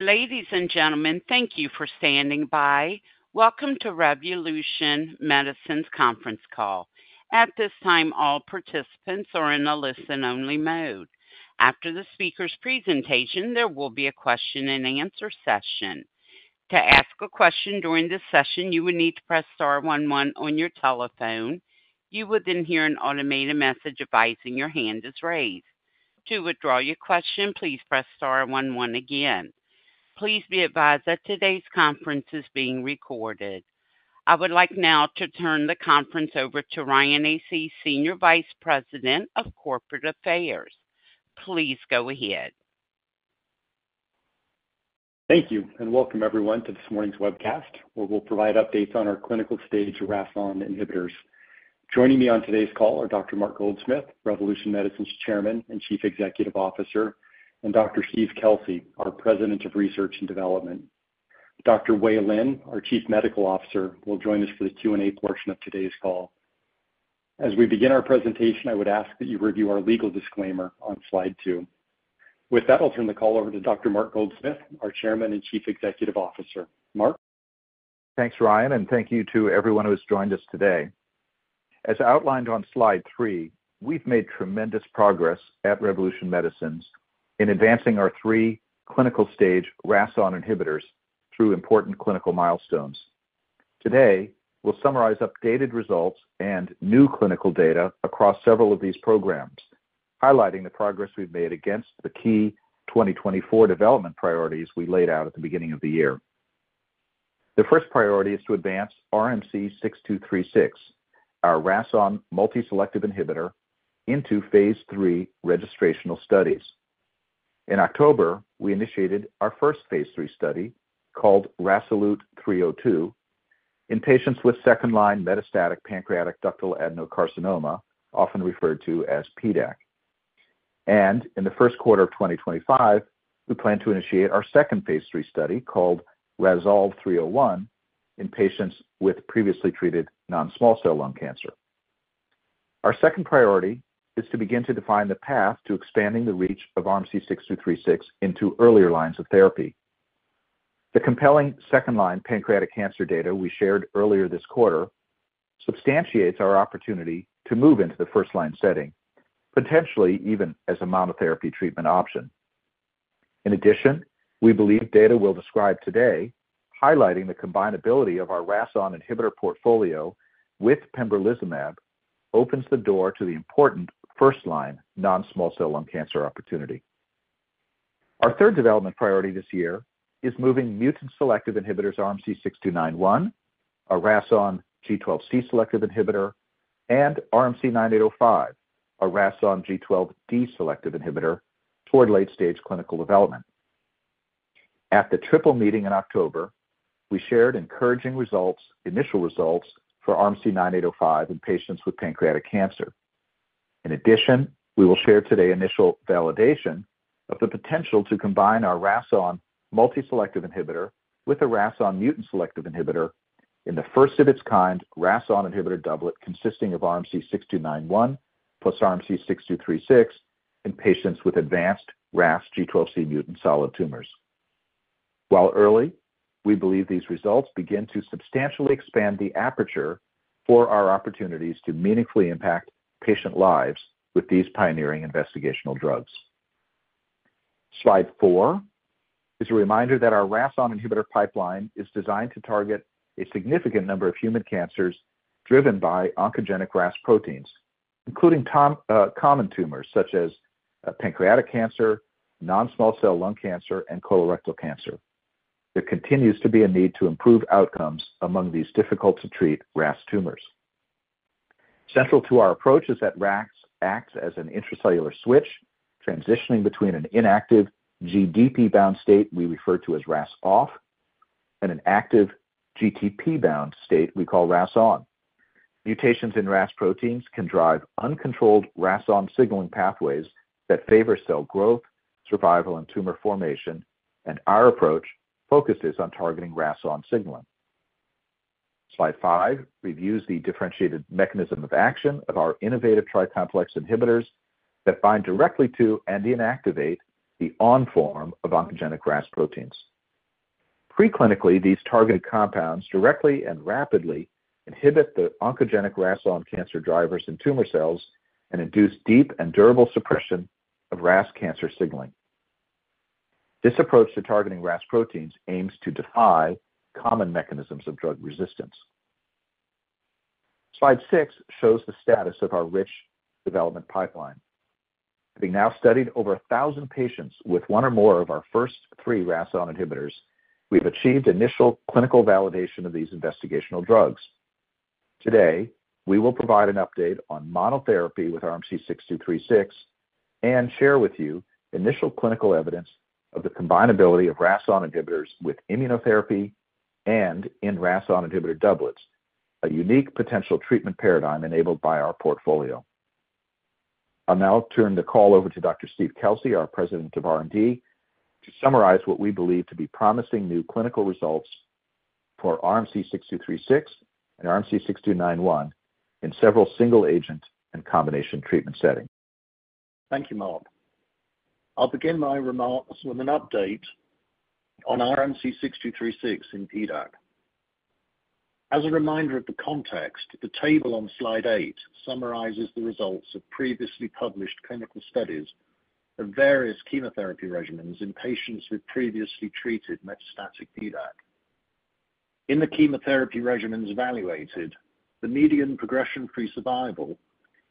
Ladies and gentlemen, thank you for standing by. Welcome to Revolution Medicines conference call. At this time, all participants are in a listen-only mode. After the speaker's presentation, there will be a question-and-answer session. To ask a question during this session, you will need to press star 11 on your telephone. You will then hear an automated message advising your hand is raised. To withdraw your question, please press star 11 again. Please be advised that today's conference is being recorded. I would like now to turn the conference over to Ryan Asay, Senior Vice President of Corporate Affairs. Please go ahead. Thank you and welcome everyone to this morning's webcast, where we'll provide updates on our clinical-stage RAS(ON) inhibitors. Joining me on today's call are Dr. Mark Goldsmith, Revolution Medicines Chairman and Chief Executive Officer, and Dr. Steve Kelsey, our President of Research and Development. Dr. Wei Lin, our Chief Medical Officer, will join us for the Q&A portion of today's call. As we begin our presentation, I would ask that you review our legal disclaimer on slide two. With that, I'll turn the call over to Dr. Mark Goldsmith, our Chairman and Chief Executive Officer. Mark. Thanks, Ryan, and thank you to everyone who has joined us today. As outlined on slide three, we've made tremendous progress at Revolution Medicines in advancing our three clinical-stage RAS(ON) inhibitors through important clinical milestones. Today, we'll summarize updated results and new clinical data across several of these programs, highlighting the progress we've made against the key 2024 development priorities we laid out at the beginning of the year. The first priority is to advance RMC-6236, our RAS(ON) multi-selective inhibitor, into phase III registrational studies. In October, we initiated our first phase III study called RASolute-302 in patients with second-line metastatic pancreatic ductal adenocarcinoma, often referred to as PDAC, and in the first quarter of 2025, we plan to initiate our second phase III study called RASolve-301 in patients with previously treated non-small cell lung cancer. Our second priority is to begin to define the path to expanding the reach of RMC-6236 into earlier lines of therapy. The compelling second-line pancreatic cancer data we shared earlier this quarter substantiates our opportunity to move into the first-line setting, potentially even as a monotherapy treatment option. In addition, we believe data we'll describe today, highlighting the combinability of our RAS(ON) inhibitor portfolio with pembrolizumab, opens the door to the important first-line non-small cell lung cancer opportunity. Our third development priority this year is moving mutant selective inhibitors RMC-6291, a RAS(ON) G12C selective inhibitor, and RMC-9805, a RAS(ON) G12D selective inhibitor, toward late-stage clinical development. At the Triple Meeting in October, we shared encouraging initial results for RMC-9805 in patients with pancreatic cancer. In addition, we will share today initial validation of the potential to combine our RAS(ON) multi-selective inhibitor with a RAS(ON) mutant selective inhibitor in the first-of-its-kind RAS(ON) inhibitor doublet consisting of RMC-6291 plus RMC-6236 in patients with advanced RAS G12C mutant solid tumors. While early, we believe these results begin to substantially expand the aperture for our opportunities to meaningfully impact patient lives with these pioneering investigational drugs. Slide four is a reminder that our RAS(ON) inhibitor pipeline is designed to target a significant number of human cancers driven by oncogenic RAS proteins, including common tumors such as pancreatic cancer, non-small cell lung cancer, and colorectal cancer. There continues to be a need to improve outcomes among these difficult-to-treat RAS tumors. Central to our approach is that RAS acts as an intracellular switch, transitioning between an inactive GDP-bound state we refer to as RAS(OFF) and an active GTP-bound state we call RAS(ON). Mutations in RAS proteins can drive uncontrolled RAS on signaling pathways that favor cell growth, survival, and tumor formation, and our approach focuses on targeting RAS(ON) signaling. Slide five reviews the differentiated mechanism of action of our innovative tri-complex inhibitors that bind directly to and inactivate the on form of oncogenic RAS proteins. Preclinically, these targeted compounds directly and rapidly inhibit the oncogenic RAS(ON) cancer drivers in tumor cells and induce deep and durable suppression of RAS cancer signaling. This approach to targeting RAS proteins aims to defy common mechanisms of drug resistance. Slide six shows the status of our rich development pipeline. Having now studied over 1,000 patients with one or more of our first three RAS(ON) inhibitors, we've achieved initial clinical validation of these investigational drugs. Today, we will provide an update on monotherapy with RMC-6236 and share with you initial clinical evidence of the combinability of RAS(ON) inhibitors with immunotherapy and in RAS(ON) inhibitor doublets, a unique potential treatment paradigm enabled by our portfolio. I'll now turn the call over to Dr. Steve Kelsey, our President of R&D, to summarize what we believe to be promising new clinical results for RMC-6236 and RMC-6291 in several single-agent and combination treatment settings. Thank you, Mark. I'll begin my remarks with an update on RMC-6236 in PDAC. As a reminder of the context, the table on slide eight summarizes the results of previously published clinical studies of various chemotherapy regimens in patients with previously treated metastatic PDAC. In the chemotherapy regimens evaluated, the median progression-free survival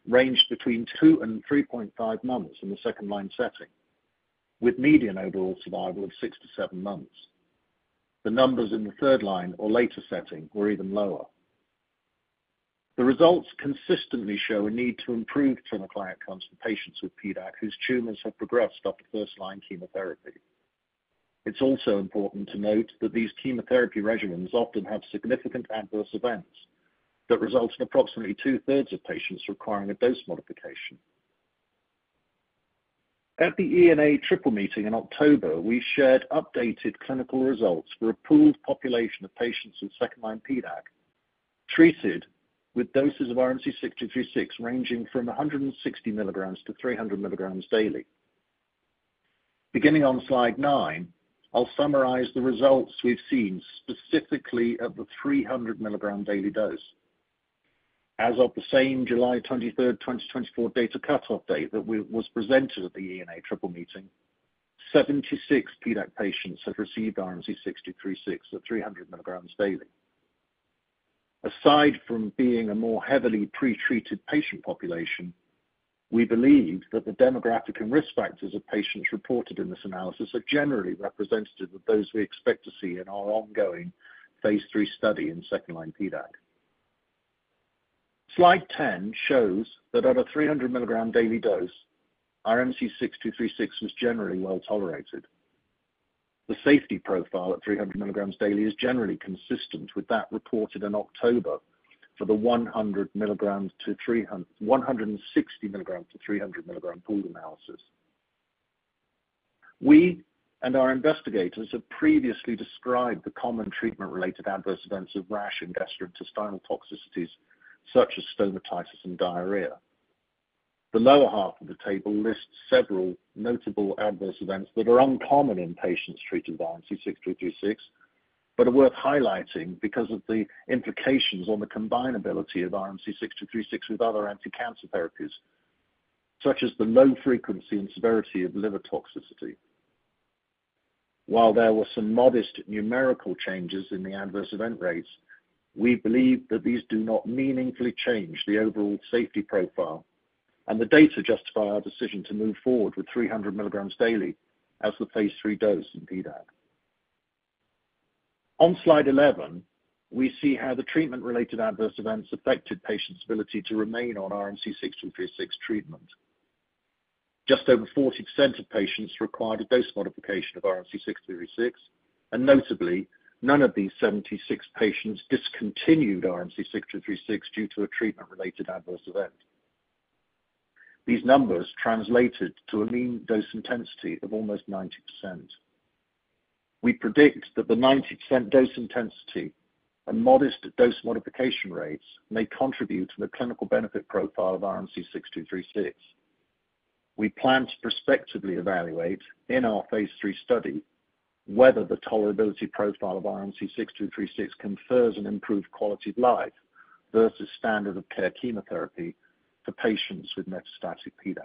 ranged between two and 3.5 months in the second-line setting, with median overall survival of six to seven months. The numbers in the third-line or later setting were even lower. The results consistently show a need to improve clinical outcomes for patients with PDAC whose tumors have progressed after first-line chemotherapy. It's also important to note that these chemotherapy regimens often have significant adverse events that result in approximately two-thirds of patients requiring a dose modification. At the ENA Triple Meeting in October, we shared updated clinical results for a pooled population of patients with second-line PDAC treated with doses of RMC-6236 ranging from 160 mg to 300 mg daily. Beginning on slide nine, I'll summarize the results we've seen specifically at the 300 mg daily dose. As of the same July 23rd, 2024 data cutoff date that was presented at the ENA Triple Meeting, 76 PDAC patients have received RMC-6236 at 300 mg daily. Aside from being a more heavily pretreated patient population, we believe that the demographic and risk factors of patients reported in this analysis are generally representative of those we expect to see in our ongoing phase III study in second-line PDAC. Slide 10 shows that at a 300 mg daily dose, RMC-6236 was generally well tolerated. The safety profile at 300 mg daily is generally consistent with that reported in October for the 100 mg to 160 mg to 300 mg pooled analysis. We and our investigators have previously described the common treatment-related adverse events of RAS-associated gastrointestinal toxicities such as stomatitis and diarrhea. The lower half of the table lists several notable adverse events that are uncommon in patients treated with RMC-6236 but are worth highlighting because of the implications on the combinability of RMC-6236 with other anti-cancer therapies, such as the low frequency and severity of liver toxicity. While there were some modest numerical changes in the adverse event rates, we believe that these do not meaningfully change the overall safety profile, and the data justify our decision to move forward with 300 mg daily as the phase III dose in PDAC. On slide 11, we see how the treatment-related adverse events affected patients' ability to remain on RMC-6236 treatment. Just over 40% of patients required a dose modification of RMC-6236, and notably, none of these 76 patients discontinued RMC-6236 due to a treatment-related adverse event. These numbers translated to a mean dose intensity of almost 90%. We predict that the 90% dose intensity and modest dose modification rates may contribute to the clinical benefit profile of RMC-6236. We plan to prospectively evaluate in our phase III study whether the tolerability profile of RMC-6236 confers an improved quality of life versus standard of care chemotherapy for patients with metastatic PDAC.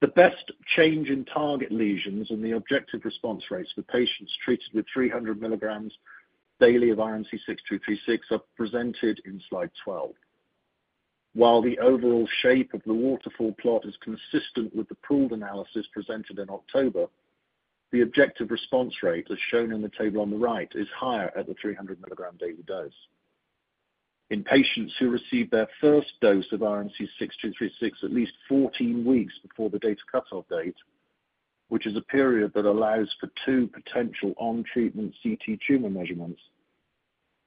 The best change in target lesions and the objective response rates for patients treated with 300 mg daily of RMC-6236 are presented in slide 12. While the overall shape of the waterfall plot is consistent with the pooled analysis presented in October, the objective response rate, as shown in the table on the right, is higher at the 300 mg daily dose. In patients who received their first dose of RMC-6236 at least 14 weeks before the data cutoff date, which is a period that allows for two potential on-treatment CT tumor measurements,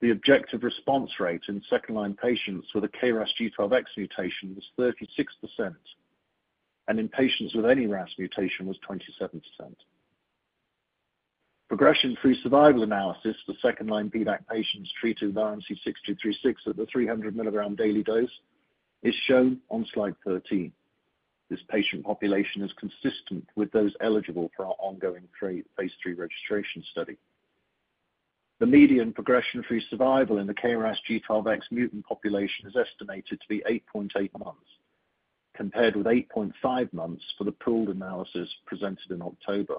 the objective response rate in second-line patients with a KRAS G12X mutation was 36%, and in patients with any RAS mutation was 27%. Progression-free survival analysis for second-line PDAC patients treated with RMC-6236 at the 300 mg daily dose is shown on slide 13. This patient population is consistent with those eligible for our ongoing phase III registration study. The median progression-free survival in the KRAS G12X mutant population is estimated to be 8.8 months, compared with 8.5 months for the pooled analysis presented in October.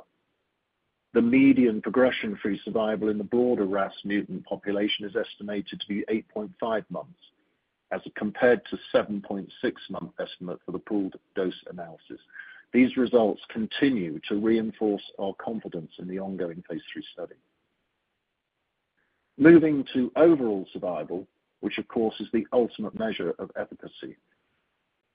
The median progression-free survival in the broader RAS mutant population is estimated to be 8.5 months, as compared to the 7.6 month estimate for the pooled dose analysis. These results continue to reinforce our confidence in the ongoing phase III study. Moving to overall survival, which, of course, is the ultimate measure of efficacy.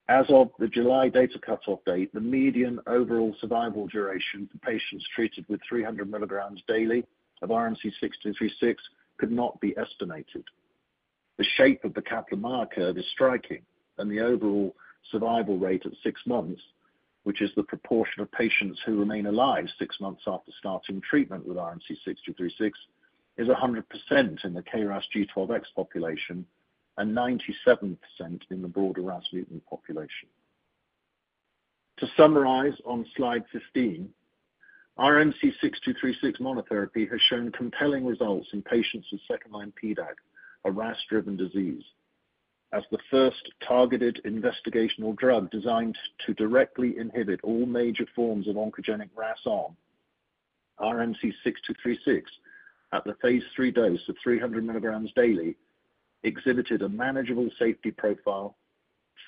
As of the July data cutoff date, the median overall survival duration for patients treated with 300 mg daily of RMC-6236 could not be estimated. The shape of the Kaplan-Meier curve is striking, and the overall survival rate at six months, which is the proportion of patients who remain alive six months after starting treatment with RMC-6236, is 100% in the KRAS G12X population and 97% in the broader RAS mutant population. To summarize on slide 15, RMC-6236 monotherapy has shown compelling results in patients with second-line PDAC, a RAS-driven disease. As the first targeted investigational drug designed to directly inhibit all major forms of oncogenic RAS(ON), RMC-6236 at the phase III dose of 300 mg daily exhibited a manageable safety profile,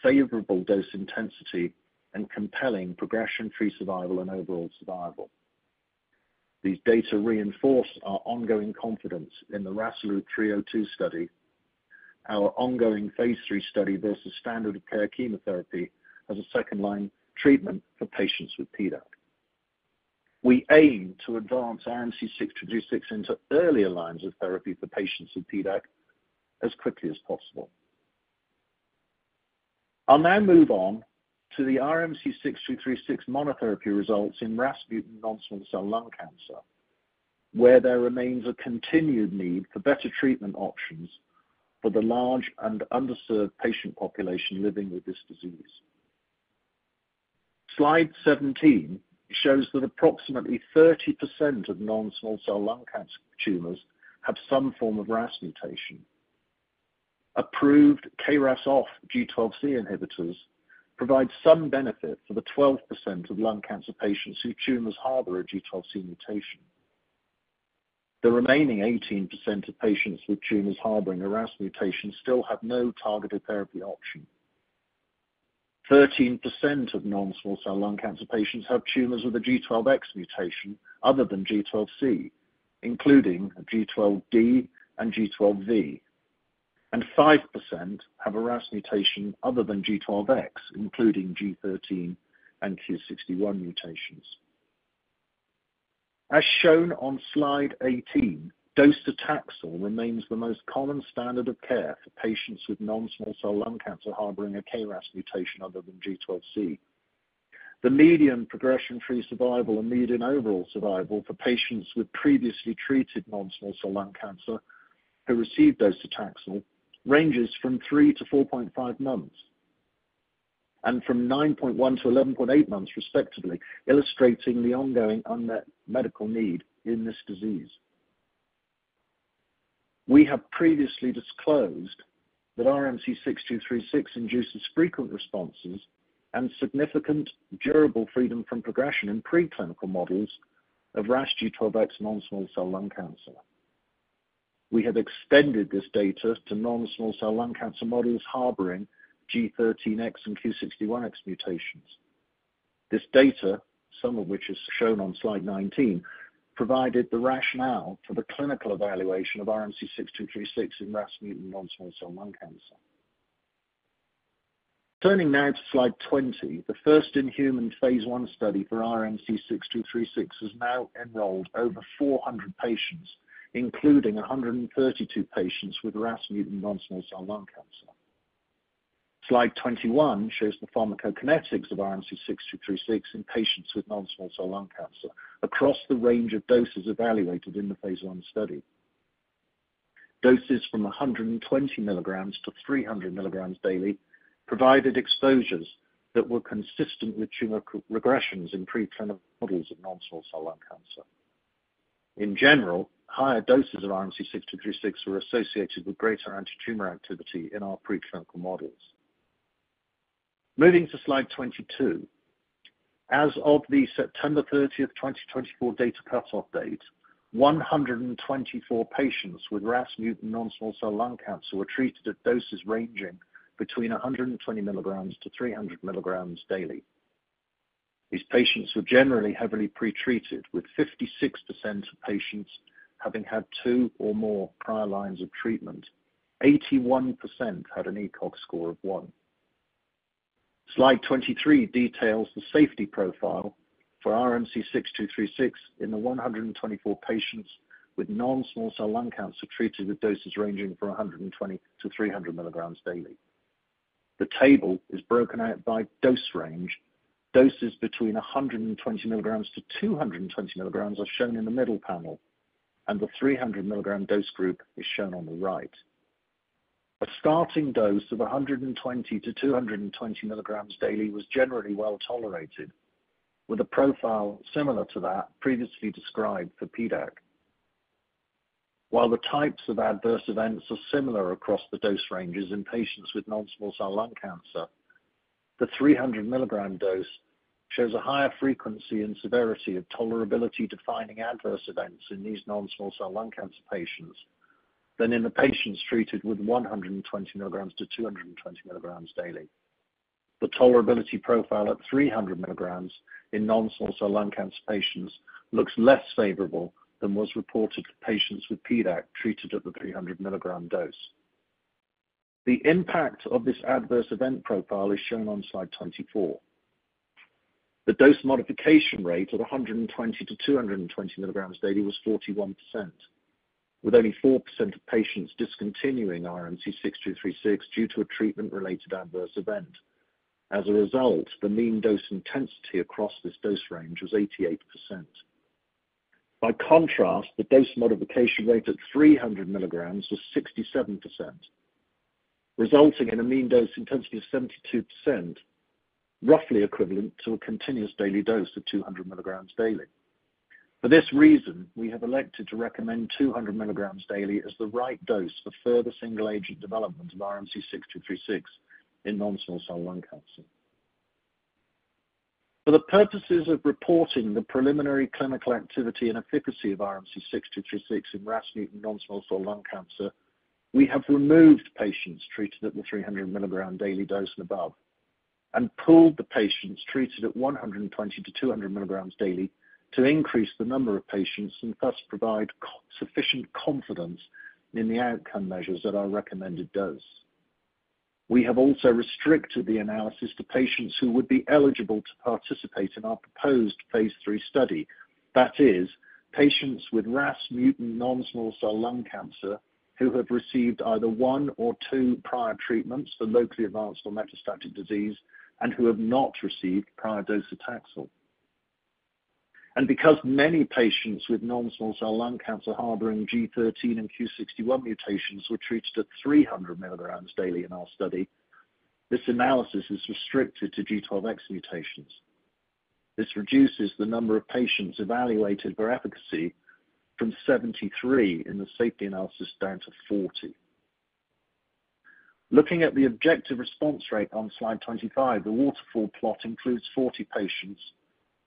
favorable dose intensity, and compelling progression-free survival and overall survival. These data reinforce our ongoing confidence in the RASolute-302 study, our ongoing phase III study versus standard of care chemotherapy as a second-line treatment for patients with PDAC. We aim to advance RMC-6236 into earlier lines of therapy for patients with PDAC as quickly as possible. I'll now move on to the RMC-6236 monotherapy results in RAS mutant non-small cell lung cancer, where there remains a continued need for better treatment options for the large and underserved patient population living with this disease. Slide 17 shows that approximately 30% of non-small cell lung cancer tumors have some form of RAS mutation. Approved KRAS(OFF) G12C inhibitors provide some benefit for the 12% of lung cancer patients whose tumors harbor a G12C mutation. The remaining 18% of patients with tumors harboring a RAS mutation still have no targeted therapy option. 13% of non-small cell lung cancer patients have tumors with a G12X mutation other than G12C, including G12D and G12V, and 5% have a RAS mutation other than G12X, including G13 and Q61 mutations. As shown on Slide 18, docetaxel remains the most common standard of care for patients with non-small cell lung cancer harboring a KRAS mutation other than G12C. The median progression-free survival and median overall survival for patients with previously treated non-small cell lung cancer who received docetaxel ranges from three to 4.5 months and from 9.1 to 11.8 months, respectively, illustrating the ongoing unmet medical need in this disease. We have previously disclosed that RMC-6236 induces frequent responses and significant durable freedom from progression in preclinical models of RAS G12X non-small cell lung cancer. We have extended this data to non-small cell lung cancer models harboring G13X and Q61X mutations. This data, some of which is shown on Slide 19, provided the rationale for the clinical evaluation of RMC-6236 in RAS mutant non-small cell lung cancer. Turning now to Slide 20, the first-in-human phase I study for RMC-6236 has now enrolled over 400 patients, including 132 patients with RAS mutant non-small cell lung cancer. Slide 21 shows the pharmacokinetics of RMC-6236 in patients with non-small cell lung cancer across the range of doses evaluated in the phase I study. Doses from 120 mg to 300 mg daily provided exposures that were consistent with tumor regressions in preclinical models of non-small cell lung cancer. In general, higher doses of RMC-6236 were associated with greater anti-tumor activity in our preclinical models. Moving to Slide 22, as of the September 30th, 2024 data cutoff date, 124 patients with RAS mutant non-small cell lung cancer were treated at doses ranging between 120 mg to 300 mg daily. These patients were generally heavily pretreated, with 56% of patients having had two or more prior lines of treatment. 81% had an ECOG score of one. Slide 23 details the safety profile for RMC-6236 in the 124 patients with non-small cell lung cancer treated with doses ranging from 120-300 mg daily. The table is broken out by dose range. Doses between 120 mg-220 mg are shown in the middle panel, and the 300 mg dose group is shown on the right. A starting dose of 120 mg-220 mg daily was generally well tolerated, with a profile similar to that previously described for PDAC. While the types of adverse events are similar across the dose ranges in patients with non-small cell lung cancer, the 300 mg dose shows a higher frequency and severity of tolerability-defining adverse events in these non-small cell lung cancer patients than in the patients treated with 120-220 mg daily. The tolerability profile at 300 mg in non-small cell lung cancer patients looks less favorable than was reported to patients with PDAC treated at the 300 mg dose. The impact of this adverse event profile is shown on slide 24. The dose modification rate at 120 mg to 220 mg daily was 41%, with only 4% of patients discontinuing RMC-6236 due to a treatment-related adverse event. As a result, the mean dose intensity across this dose range was 88%. By contrast, the dose modification rate at 300 mg was 67%, resulting in a mean dose intensity of 72%, roughly equivalent to a continuous daily dose of 200 mg daily. For this reason, we have elected to recommend 200mg daily as the right dose for further single-agent development of RMC-6236 in non-small cell lung cancer. For the purposes of reporting the preliminary clinical activity and efficacy of RMC-6236 in RAS mutant non-small cell lung cancer, we have removed patients treated at the 300 mg daily dose and above and pulled the patients treated at 120 mg-200 mg daily to increase the number of patients and thus provide sufficient confidence in the outcome measures at our recommended dose. We have also restricted the analysis to patients who would be eligible to participate in our proposed phase III study, that is, patients with RAS mutant non-small cell lung cancer who have received either one or two prior treatments for locally advanced or metastatic disease and who have not received prior docetaxel. And because many patients with non-small cell lung cancer harboring G13 and Q61 mutations were treated at 300 mg daily in our study, this analysis is restricted to G12X mutations. This reduces the number of patients evaluated for efficacy from 73 in the safety analysis down to 40. Looking at the objective response rate on slide 25, the waterfall plot includes 40 patients,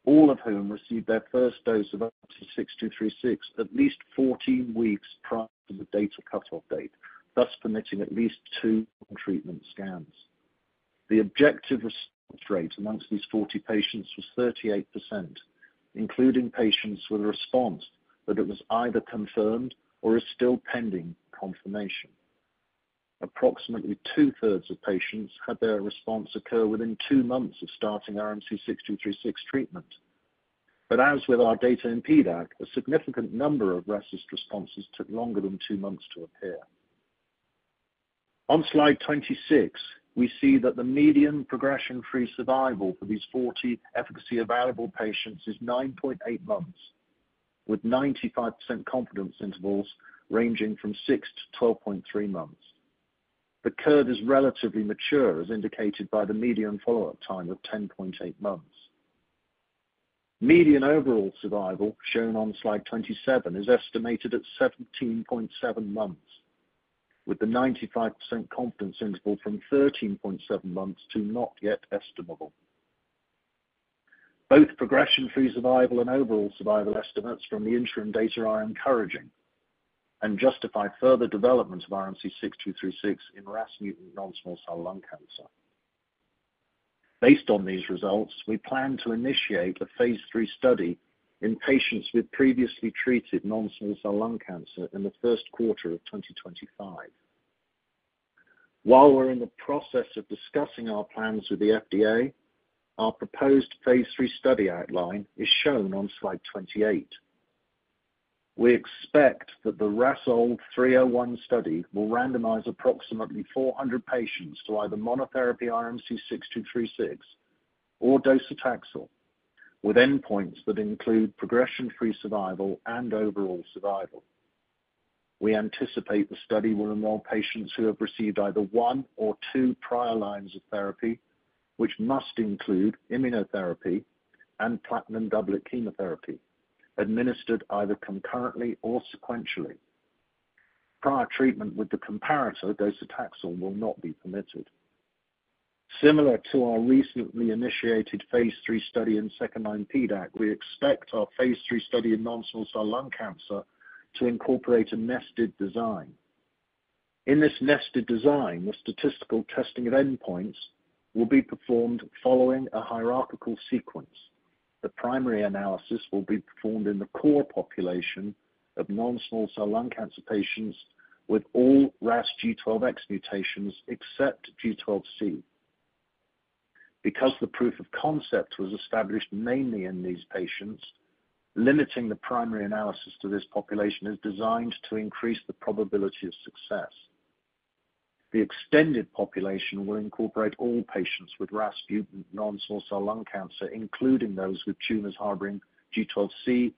all of whom received their first dose of RMC-6236 at least 14 weeks prior to the data cutoff date, thus permitting at least two treatment scans. The objective response rate amongst these 40 patients was 38%, including patients with a response that was either confirmed or is still pending confirmation. Approximately two-thirds of patients had their response occur within two months of starting RMC-6236 treatment. But as with our data in PDAC, a significant number of RAS responses took longer than two months to appear. On slide 26, we see that the median progression-free survival for these 40 efficacy-available patients is 9.8 months, with 95% confidence intervals ranging from six to 12.3 months. The curve is relatively mature, as indicated by the median follow-up time of 10.8 months. Median overall survival, shown on slide 27, is estimated at 17.7 months, with the 95% confidence interval from 13.7 months to not yet estimable. Both progression-free survival and overall survival estimates from the interim data are encouraging and justify further development of RMC-6236 in RAS mutant non-small cell lung cancer. Based on these results, we plan to initiate a phase III study in patients with previously treated non-small cell lung cancer in the first quarter of 2025. While we're in the process of discussing our plans with the FDA, our proposed phase III study outline is shown on slide 28. We expect that the RASolve-301 study will randomize approximately 400 patients to either monotherapy RMC-6236 or docetaxel, with endpoints that include progression-free survival and overall survival. We anticipate the study will involve patients who have received either one or two prior lines of therapy, which must include immunotherapy and platinum doublet chemotherapy administered either concurrently or sequentially. Prior treatment with the comparator docetaxel will not be permitted. Similar to our recently initiated phase III study in second-line PDAC, we expect our phase III study in non-small cell lung cancer to incorporate a nested design. In this nested design, the statistical testing of endpoints will be performed following a hierarchical sequence. The primary analysis will be performed in the core population of non-small cell lung cancer patients with all RAS G12X mutations except G12C. Because the proof of concept was established mainly in these patients, limiting the primary analysis to this population is designed to increase the probability of success. The extended population will incorporate all patients with RAS mutant non-small cell lung cancer, including those with tumors harboring G12C,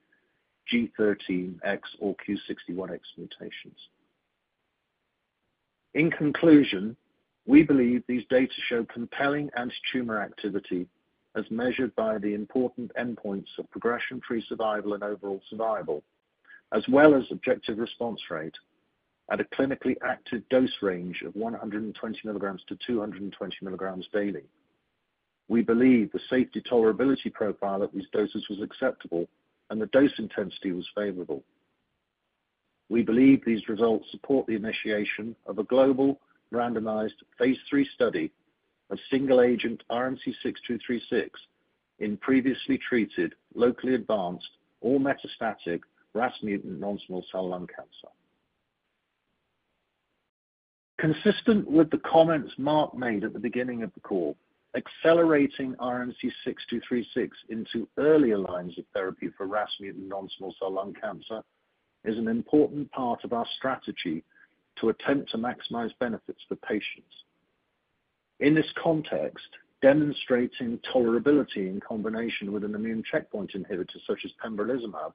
G13X, or Q61X mutations. In conclusion, we believe these data show compelling anti-tumor activity as measured by the important endpoints of progression-free survival and overall survival, as well as objective response rate at a clinically active dose range of 120 mg-220 mg daily. We believe the safety tolerability profile at these doses was acceptable and the dose intensity was favorable. We believe these results support the initiation of a global randomized phase III study of single-agent RMC-6236 in previously treated locally advanced or metastatic RAS mutant non-small cell lung cancer. Consistent with the comments Mark made at the beginning of the call, accelerating RMC-6236 into earlier lines of therapy for RAS mutant non-small cell lung cancer is an important part of our strategy to attempt to maximize benefits for patients. In this context, demonstrating tolerability in combination with an immune checkpoint inhibitor such as pembrolizumab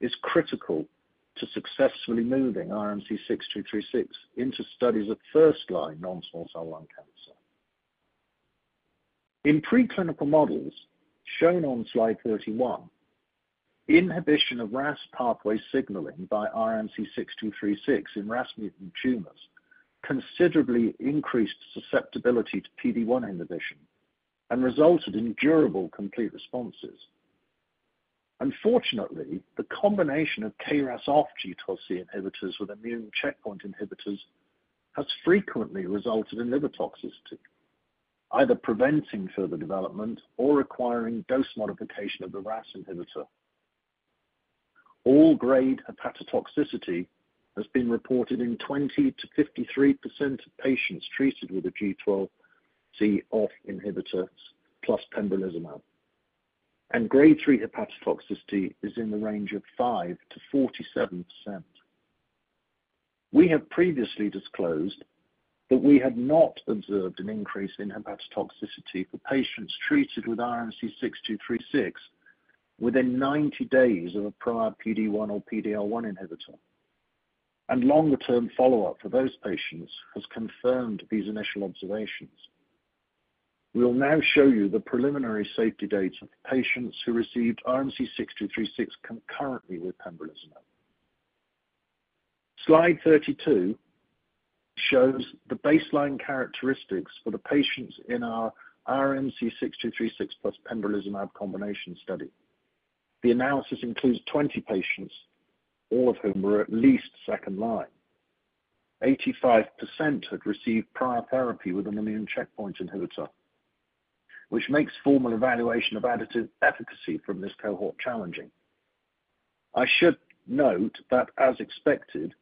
is critical to successfully moving RMC-6236 into studies of first-line non-small cell lung cancer. In preclinical models shown on slide 31, inhibition of RAS pathway signaling by RMC-6236 in RAS mutant tumors considerably increased susceptibility to PD-1 inhibition and resulted in durable complete responses. Unfortunately, the combination of KRAS(OFF) G12C inhibitors with immune checkpoint inhibitors has frequently resulted in liver toxicity, either preventing further development or requiring dose modification of the RAS inhibitor. All grade hepatotoxicity has been reported in 20%-53% of patients treated with a G12C OFF inhibitor plus pembrolizumab, and grade 3 hepatotoxicity is in the range of 5%-47%. We have previously disclosed that we had not observed an increase in hepatotoxicity for patients treated with RMC-6236 within 90 days of a prior PD-1 or PD-L1 inhibitor, and longer-term follow-up for those patients has confirmed these initial observations. We will now show you the preliminary safety data for patients who received RMC-6236 concurrently with pembrolizumab. Slide 32 shows the baseline characteristics for the patients in our RMC-6236 plus pembrolizumab combination study. The analysis includes 20 patients, all of whom were at least second line. 85% had received prior therapy with an immune checkpoint inhibitor, which makes formal evaluation of additive efficacy from this cohort challenging. I should note that, as expected,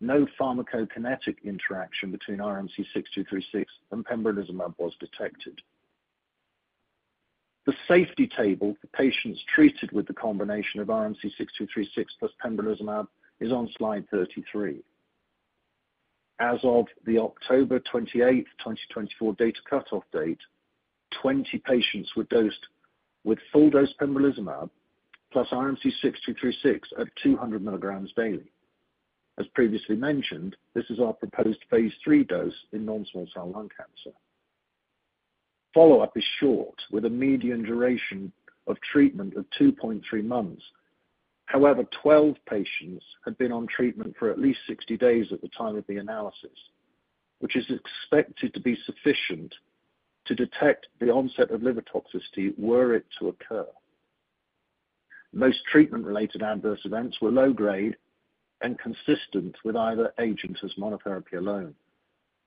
no pharmacokinetic interaction between RMC-6236 and pembrolizumab was detected. The safety table for patients treated with the combination of RMC-6236 plus pembrolizumab is on slide 33. As of the October 28th, 2024 data cutoff date, 20 patients were dosed with full-dose pembrolizumab plus RMC-6236 at 200 mg daily. As previously mentioned, this is our proposed phase III dose in non-small cell lung cancer. Follow-up is short, with a median duration of treatment of 2.3 months. However, 12 patients had been on treatment for at least 60 days at the time of the analysis, which is expected to be sufficient to detect the onset of liver toxicity were it to occur. Most treatment-related adverse events were low-grade and consistent with either agent as monotherapy alone.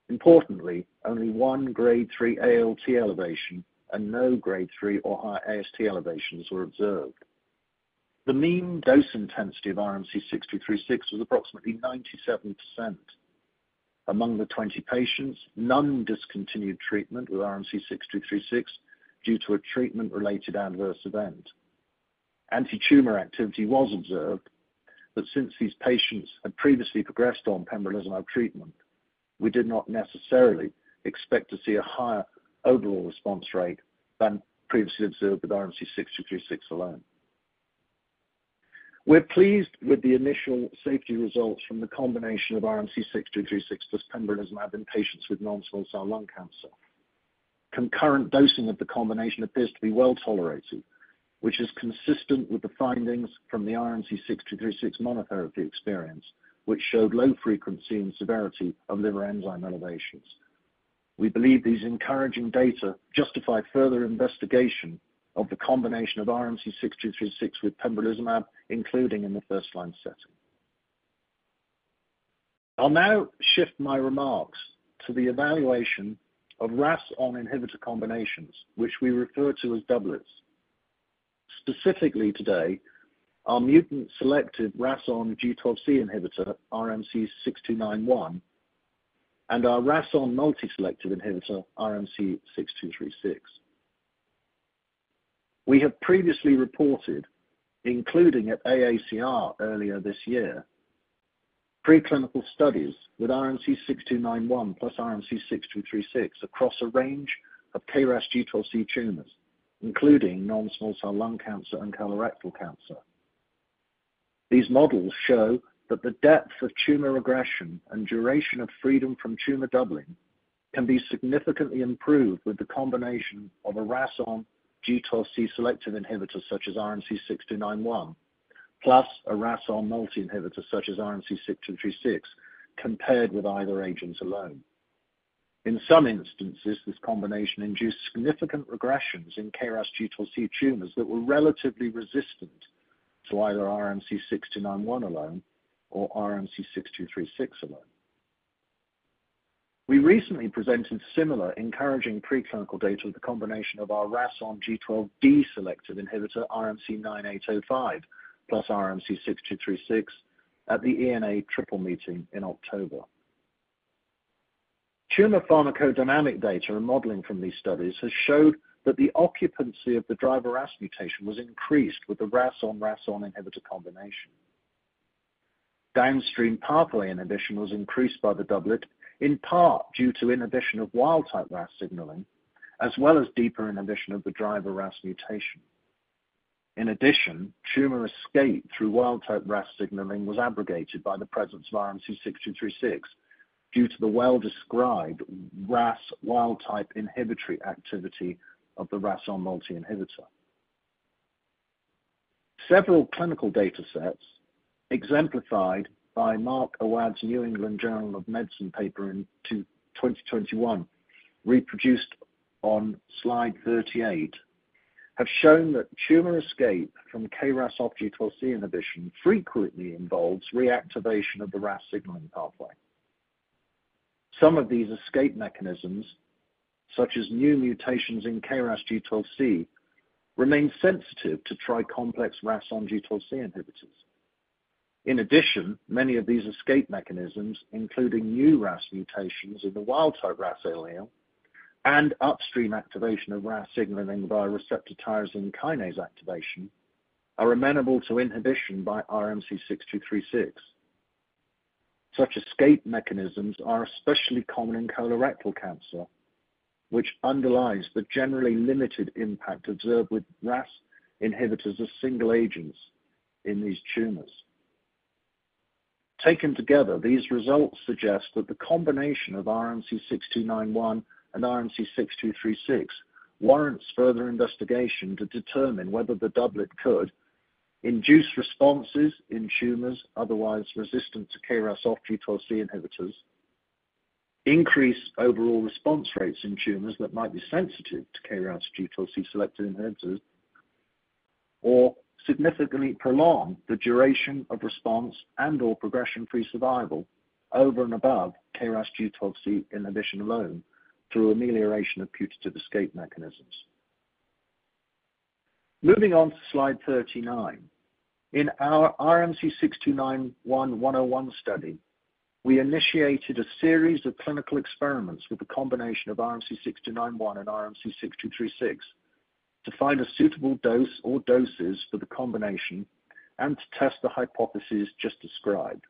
Importantly, only one grade 3 ALT elevation and no grade 3 or high AST elevations were observed. The mean dose intensity of RMC-6236 was approximately 97%. Among the 20 patients, none discontinued treatment with RMC-6236 due to a treatment-related adverse event. Anti-tumor activity was observed, but since these patients had previously progressed on pembrolizumab treatment, we did not necessarily expect to see a higher overall response rate than previously observed with RMC-6236 alone. We're pleased with the initial safety results from the combination of RMC-6236 plus pembrolizumab in patients with non-small cell lung cancer. Concurrent dosing of the combination appears to be well tolerated, which is consistent with the findings from the RMC-6236 monotherapy experience, which showed low frequency and severity of liver enzyme elevations. We believe these encouraging data justify further investigation of the combination of RMC-6236 with pembrolizumab, including in the first-line setting. I'll now shift my remarks to the evaluation of RAS(ON) inhibitor combinations, which we refer to as doublets. Specifically today, our mutant selective RAS(ON) G12C inhibitor, RMC-6291, and our RAS(ON) multi-selective inhibitor, RMC-6236. We have previously reported, including at AACR earlier this year, preclinical studies with RMC-6291 plus RMC-6236 across a range of KRAS G12C tumors, including non-small cell lung cancer and colorectal cancer. These models show that the depth of tumor regression and duration of freedom from tumor doubling can be significantly improved with the combination of a RAS(ON) G12C selective inhibitor such as RMC-6291 plus a RAS(ON) multi-inhibitor such as RMC-6236 compared with either agent alone. In some instances, this combination induced significant regressions in KRAS G12C tumors that were relatively resistant to either RMC-6291 alone or RMC-6236 alone. We recently presented similar encouraging preclinical data with the combination of our RAS(ON) G12D selective inhibitor, RMC-9805 plus RMC-6236 at the EORTC-NCI-AACR Triple Meeting in October. Tumor pharmacodynamic data and modeling from these studies has showed that the occupancy of the driver RAS mutation was increased with the RAS(ON) RAS(ON) inhibitor combination. Downstream pathway inhibition was increased by the doublet, in part due to inhibition of wild-type RAS signaling, as well as deeper inhibition of the driver RAS mutation. In addition, tumor escape through wild-type RAS signaling was abrogated by the presence of RMC-6236 due to the well-described RAS wild-type inhibitory activity of the RAS(ON) multi-inhibitor. Several clinical data sets exemplified by Mark Awad's New England Journal of Medicine paper in 2021, reproduced on slide 38, have shown that tumor escape from KRAS(OFF) G12C inhibition frequently involves reactivation of the RAS signaling pathway. Some of these escape mechanisms, such as new mutations in KRAS G12C, remain sensitive to tri-complex RAS(ON) G12C inhibitors. In addition, many of these escape mechanisms, including new RAS mutations in the wild-type RAS allele and upstream activation of RAS signaling via receptor tyrosine kinase activation, are amenable to inhibition by RMC-6236. Such escape mechanisms are especially common in colorectal cancer, which underlies the generally limited impact observed with RAS inhibitors as single agents in these tumors. Taken together, these results suggest that the combination of RMC-6291 and RMC-6236 warrants further investigation to determine whether the doublet could induce responses in tumors otherwise resistant to KRAS(OFF) G12C inhibitors, increase overall response rates in tumors that might be sensitive to KRAS G12C selective inhibitors, or significantly prolong the duration of response and/or progression-free survival over and above KRAS G12C inhibition alone through amelioration of putative escape mechanisms. Moving on to Slide 39. In our RMC-6291-101 study, we initiated a series of clinical experiments with the combination of RMC-6291 and RMC-6236 to find a suitable dose or doses for the combination and to test the hypothesis just described.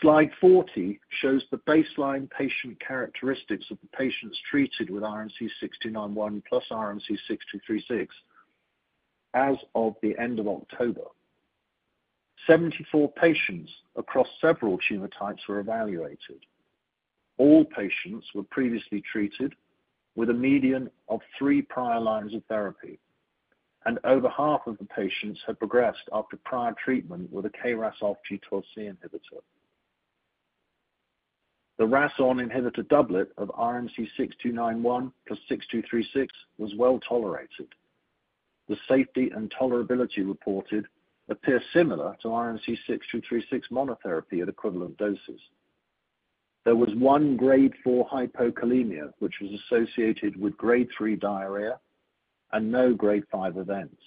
Slide 40 shows the baseline patient characteristics of the patients treated with RMC-6291 plus RMC-6236 as of the end of October. 74 patients across several tumor types were evaluated. All patients were previously treated with a median of three prior lines of therapy, and over half of the patients had progressed after prior treatment with a KRAS(OFF) G12C inhibitor. The RAS(ON) inhibitor doublet of RMC-6291 plus RMC-6236 was well tolerated. The safety and tolerability reported appear similar to RMC-6236 monotherapy at equivalent doses. There was one grade 4 hypokalemia, which was associated with grade 3 diarrhea and no grade 5 events.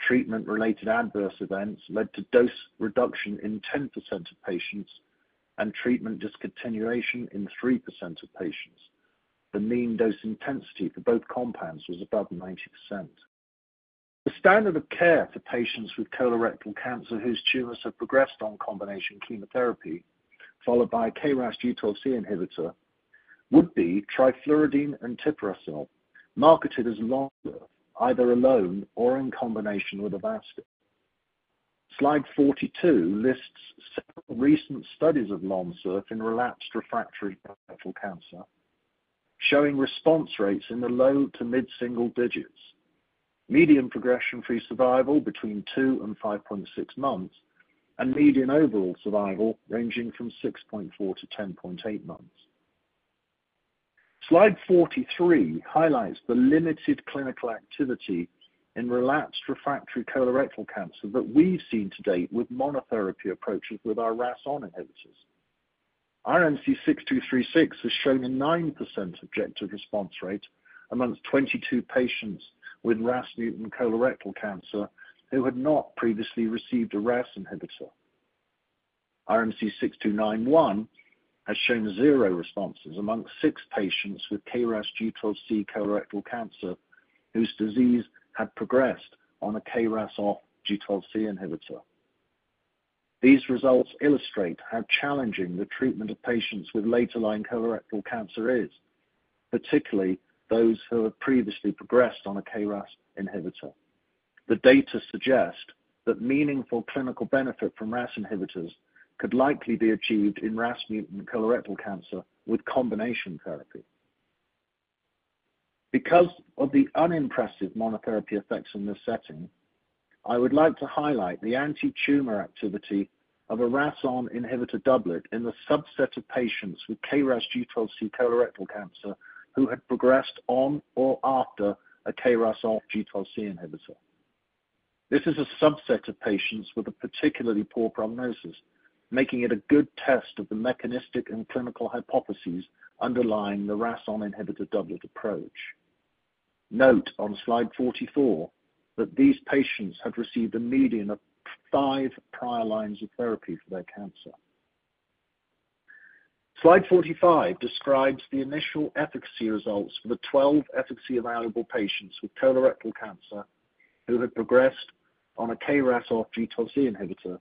Treatment-related adverse events led to dose reduction in 10% of patients and treatment discontinuation in 3% of patients. The mean dose intensity for both compounds was above 90%. The standard of care for patients with colorectal cancer whose tumors have progressed on combination chemotherapy followed by KRAS G12C inhibitor would be trifluridine and tipiracil, marketed as Lonsurf, either alone or in combination with Avastin. Slide 42 lists several recent studies of Lonsurf in relapsed refractory rectal cancer, showing response rates in the low to mid-single digits, median progression-free survival between 2 and 5.6 months, and median overall survival ranging from 6.4 to 10.8 months. Slide 43 highlights the limited clinical activity in relapsed refractory colorectal cancer that we've seen to date with monotherapy approaches with our RAS(ON) inhibitors. RMC-6236 has shown a 9% objective response rate among 22 patients with RAS mutant colorectal cancer who had not previously received a RAS inhibitor. RMC-6291 has shown zero responses among six patients with KRAS G12C colorectal cancer whose disease had progressed on a KRAS(OFF) G12C inhibitor. These results illustrate how challenging the treatment of patients with later line colorectal cancer is, particularly those who have previously progressed on a KRAS inhibitor. The data suggest that meaningful clinical benefit from RAS inhibitors could likely be achieved in RAS mutant colorectal cancer with combination therapy. Because of the unimpressive monotherapy effects in this setting, I would like to highlight the anti-tumor activity of a RAS(ON) inhibitor doublet in the subset of patients with KRAS G12C colorectal cancer who had progressed on or after a KRAS(OFF) G12C inhibitor. This is a subset of patients with a particularly poor prognosis, making it a good test of the mechanistic and clinical hypotheses underlying the RAS(ON) inhibitor doublet approach. Note on slide 44 that these patients had received a median of five prior lines of therapy for their cancer. Slide 45 describes the initial efficacy results for the 12 efficacy available patients with colorectal cancer who had progressed on a KRAS(OFF) G12C inhibitor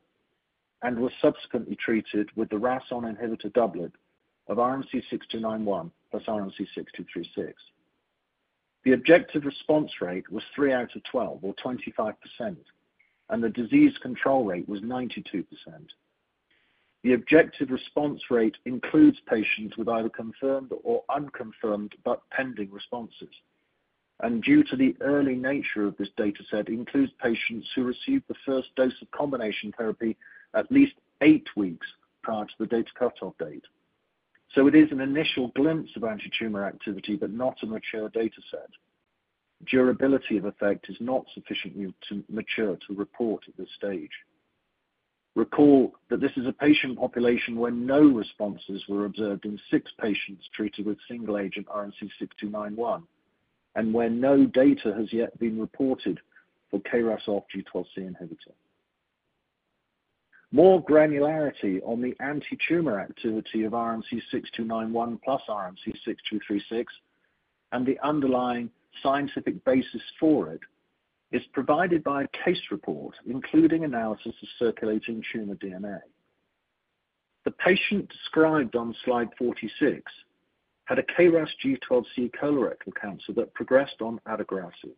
and were subsequently treated with the RAS(ON) inhibitor doublet of RMC-6291 plus RMC-6236. The objective response rate was 3 out of 12 or 25%, and the disease control rate was 92%. The objective response rate includes patients with either confirmed or unconfirmed but pending responses, and due to the early nature of this data set, includes patients who received the first dose of combination therapy at least eight weeks prior to the data cutoff date. It is an initial glimpse of anti-tumor activity, but not a mature data set. Durability of effect is not sufficiently mature to report at this stage. Recall that this is a patient population where no responses were observed in six patients treated with single agent RMC-6291 and where no data has yet been reported for KRAS(OFF) G12C inhibitor. More granularity on the anti-tumor activity of RMC-6291 plus RMC-6236 and the underlying scientific basis for it is provided by a case report, including analysis of circulating tumor DNA. The patient described on slide 46 had a KRAS G12C colorectal cancer that progressed on adagrasib.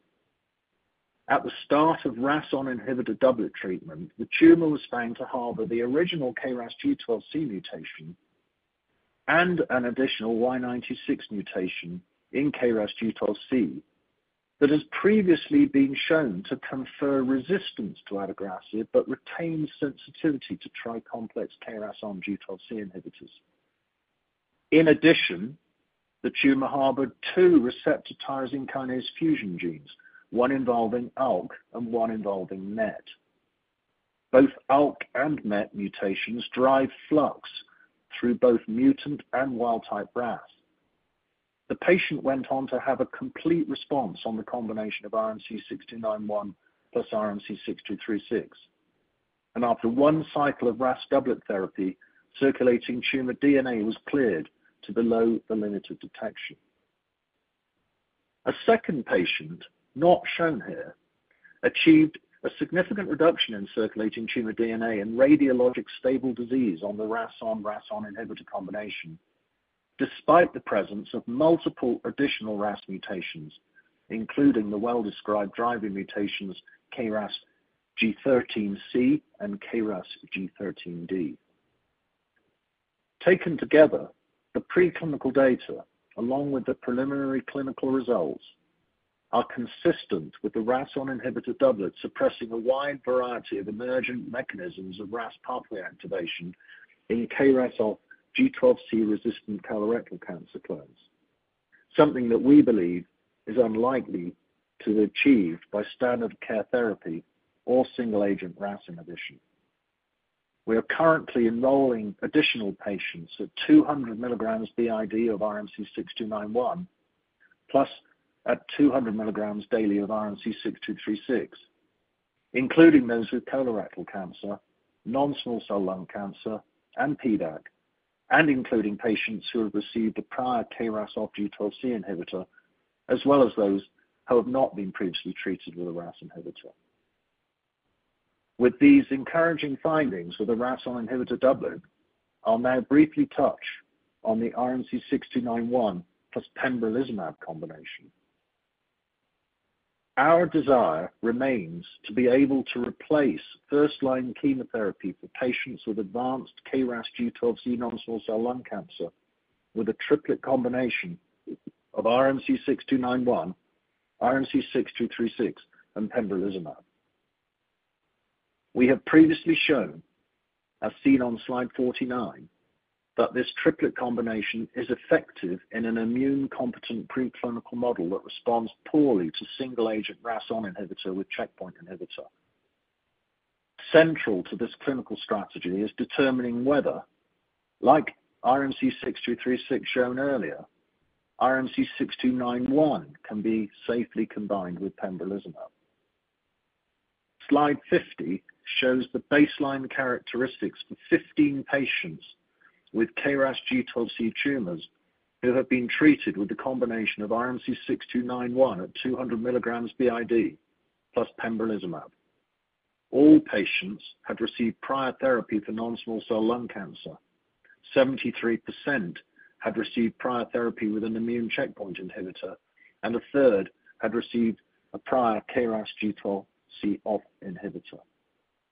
At the start of RAS(ON) inhibitor doublet treatment, the tumor was found to harbor the original KRAS G12C mutation and an additional Y96 mutation in KRAS G12C that has previously been shown to confer resistance to adagrasib but retain sensitivity to tri-complex KRAS(ON) G12C inhibitors. In addition, the tumor harbored two receptor tyrosine kinase fusion genes, one involving ALK and one involving MET. Both ALK and MET mutations drive flux through both mutant and wild-type RAS. The patient went on to have a complete response on the combination of RMC-6291 plus RMC-6236, and after one cycle of RAS doublet therapy, circulating tumor DNA was cleared to below the limit of detection. A second patient, not shown here, achieved a significant reduction in circulating tumor DNA and radiologic stable disease on the RAS(ON) RAS(ON) inhibitor combination, despite the presence of multiple additional RAS mutations, including the well-described driver mutations KRAS G13C and KRAS G13D. Taken together, the preclinical data, along with the preliminary clinical results, are consistent with the RAS(ON) inhibitor doublet suppressing a wide variety of emergent mechanisms of RAS pathway activation in KRAS(OFF) G12C resistant colorectal cancer cases, something that we believe is unlikely to be achieved by standard care therapy or single agent RAS inhibition. We are currently enrolling additional patients at 200 mg b.i.d. of RMC-6291 plus at 200 mg daily of RMC-6236, including those with colorectal cancer, non-small cell lung cancer, and PDAC, and including patients who have received the prior KRAS(OFF) G12C inhibitor, as well as those who have not been previously treated with a RAS inhibitor. With these encouraging findings with the RAS(ON) inhibitor doublet, I'll now briefly touch on the RMC-6291 plus pembrolizumab combination. Our desire remains to be able to replace first-line chemotherapy for patients with advanced KRAS G12C non-small cell lung cancer with a triplet combination of RMC-6291, RMC-6236, and pembrolizumab. We have previously shown, as seen on slide 49, that this triplet combination is effective in an immune-competent pre-clinical model that responds poorly to single agent RAS(ON) inhibitor with checkpoint inhibitor. Central to this clinical strategy is determining whether, like RMC-6236 shown earlier, RMC-6291 can be safely combined with pembrolizumab. Slide 50 shows the baseline characteristics for 15 patients with KRAS G12C tumors who have been treated with the combination of RMC-6291 at 200 mg b.i.d. plus pembrolizumab. All patients had received prior therapy for non-small cell lung cancer. 73% had received prior therapy with an immune checkpoint inhibitor, and a third had received a prior KRAS G12C(OFF) inhibitor.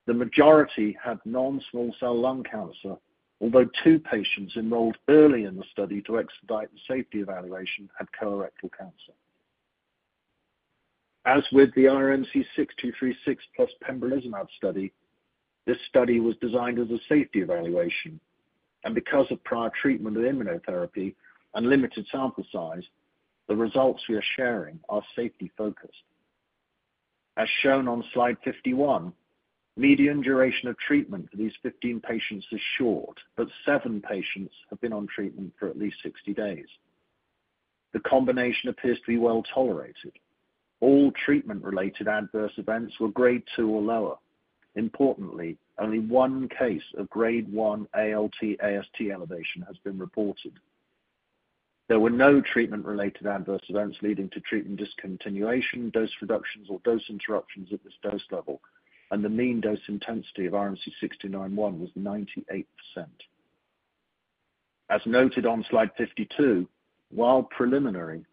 The majority had non-small cell lung cancer, although two patients enrolled early in the study to expedite the safety evaluation had colorectal cancer. As with the RMC-6236 plus pembrolizumab study, this study was designed as a safety evaluation, and because of prior treatment with immunotherapy and limited sample size, the results we are sharing are safety-focused. As shown on slide 51, median duration of treatment for these 15 patients is short, but seven patients have been on treatment for at least 60 days. The combination appears to be well tolerated. All treatment-related adverse events were grade 2 or lower. Importantly, only one case of grade 1 ALT/AST elevation has been reported. There were no treatment-related adverse events leading to treatment discontinuation, dose reductions, or dose interruptions at this dose level, and the mean dose intensity of RMC-6291 was 98%. As noted on slide 52, while preliminary,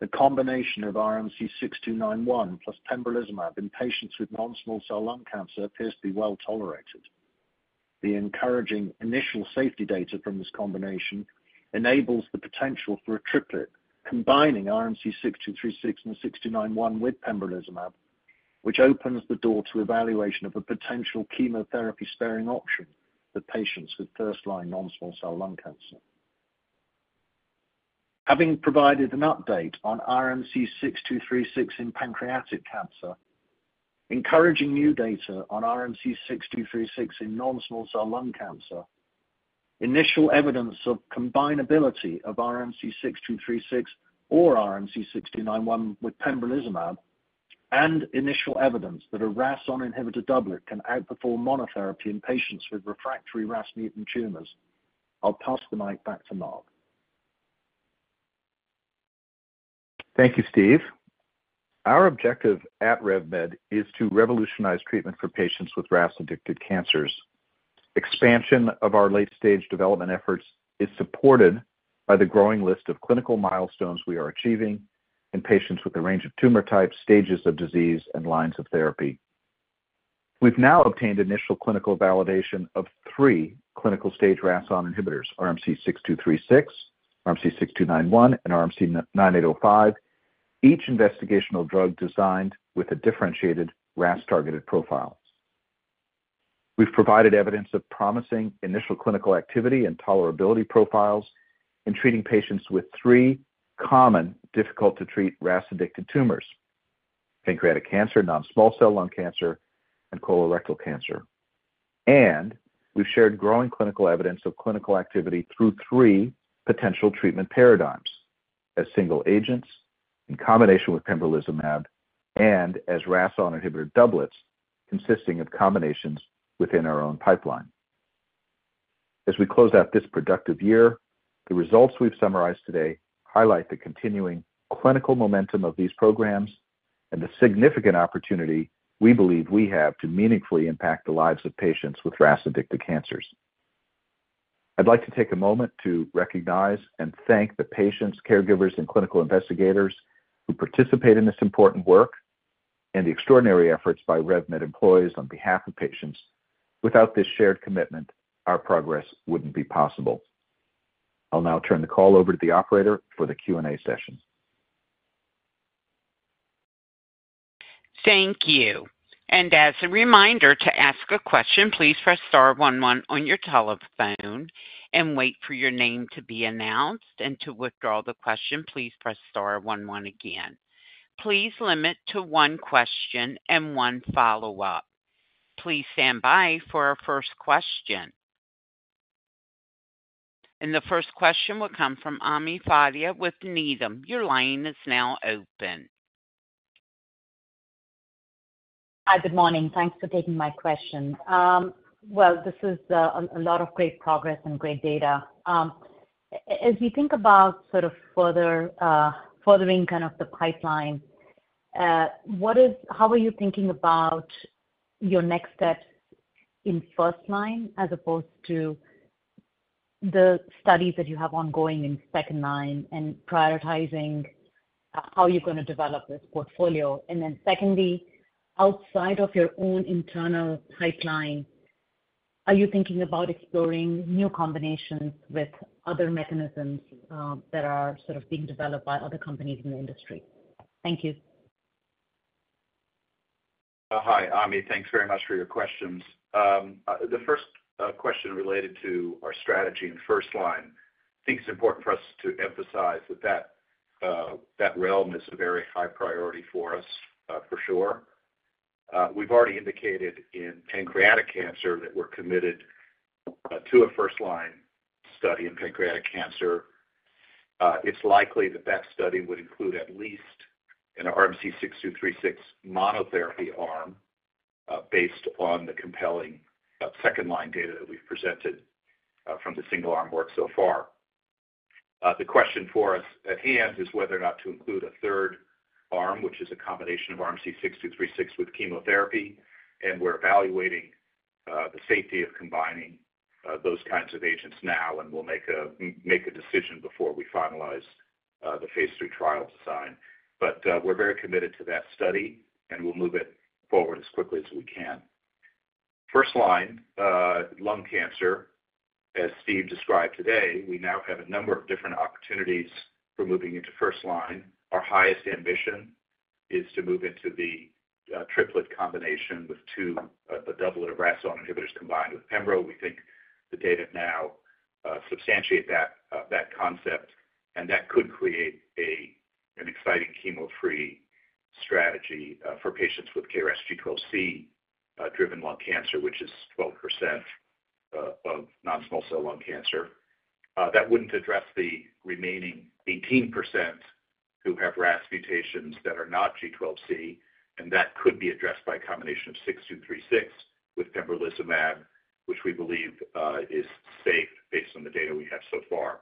the combination of RMC-6291 plus pembrolizumab in patients with non-small cell lung cancer appears to be well tolerated. The encouraging initial safety data from this combination enables the potential for a triplet combining RMC-6236 and 6291 with pembrolizumab, which opens the door to evaluation of a potential chemotherapy-sparing option for patients with first-line non-small cell lung cancer. Having provided an update on RMC-6236 in pancreatic cancer, encouraging new data on RMC-6236 in non-small cell lung cancer, initial evidence of combinability of RMC-6236 or RMC-6291 with pembrolizumab, and initial evidence that a RAS(ON) inhibitor doublet can outperform monotherapy in patients with refractory RAS mutant tumors, I'll pass the mic back to Mark. Thank you, Steve. Our objective at RevMed is to revolutionize treatment for patients with RAS-addicted cancers. Expansion of our late-stage development efforts is supported by the growing list of clinical milestones we are achieving in patients with a range of tumor types, stages of disease, and lines of therapy. We've now obtained initial clinical validation of three clinical stage RAS(ON) inhibitors: RMC-6236, RMC-6291, and RMC-9805, each investigational drug designed with a differentiated RAS-targeted profile. We've provided evidence of promising initial clinical activity and tolerability profiles in treating patients with three common difficult-to-treat RAS-addicted tumors: pancreatic cancer, non-small cell lung cancer, and colorectal cancer, and we've shared growing clinical evidence of clinical activity through three potential treatment paradigms: as single agents, in combination with pembrolizumab, and as RAS(ON) inhibitor doublets, consisting of combinations within our own pipeline. As we close out this productive year, the results we've summarized today highlight the continuing clinical momentum of these programs and the significant opportunity we believe we have to meaningfully impact the lives of patients with RAS-addicted cancers. I'd like to take a moment to recognize and thank the patients, caregivers, and clinical investigators who participate in this important work and the extraordinary efforts by RevMed employees on behalf of patients. Without this shared commitment, our progress wouldn't be possible. I'll now turn the call over to the operator for the Q&A session. Thank you. And as a reminder to ask a question, please press star 11 on your telephone and wait for your name to be announced. And to withdraw the question, please press star 11 again. Please limit to one question and one follow-up. Please stand by for our first question. And the first question will come from Ami Fadia with Needham. Your line is now open. Hi, good morning. Thanks for taking my question. Well, this is a lot of great progress and great data. As we think about sort of furthering kind of the pipeline, how are you thinking about your next steps in first line as opposed to the studies that you have ongoing in second line and prioritizing how you're going to develop this portfolio? And then secondly, outside of your own internal pipeline, are you thinking about exploring new combinations with other mechanisms that are sort of being developed by other companies in the industry? Thank you. Hi, Ami. Thanks very much for your questions. The first question related to our strategy in first line, I think it's important for us to emphasize that that realm is a very high priority for us, for sure. We've already indicated in pancreatic cancer that we're committed to a first-line study in pancreatic cancer. It's likely that that study would include at least an RMC-6236 monotherapy arm based on the compelling second-line data that we've presented from the single-arm work so far. The question for us at hand is whether or not to include a third arm, which is a combination of RMC-6236 with chemotherapy. We're evaluating the safety of combining those kinds of agents now, and we'll make a decision before we finalize the phase III trial design. But we're very committed to that study, and we'll move it forward as quickly as we can. First line, lung cancer, as Steve described today, we now have a number of different opportunities for moving into first line. Our highest ambition is to move into the triplet combination with a doublet of RAS on inhibitors combined with pembo. We think the data now substantiate that concept, and that could create an exciting chemo-free strategy for patients with KRAS G12C-driven lung cancer, which is 12% of non-small cell lung cancer. That wouldn't address the remaining 18% who have RAS mutations that are not G12C, and that could be addressed by a combination of 6236 with pembrolizumab, which we believe is safe based on the data we have so far,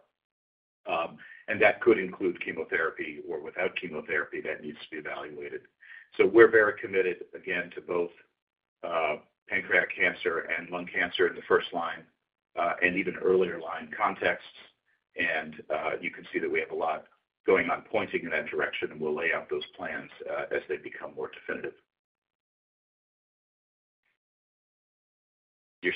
and that could include chemotherapy or without chemotherapy that needs to be evaluated, so we're very committed, again, to both pancreatic cancer and lung cancer in the first line and even earlier line contexts, and you can see that we have a lot going on pointing in that direction, and we'll lay out those plans as they become more definitive. Your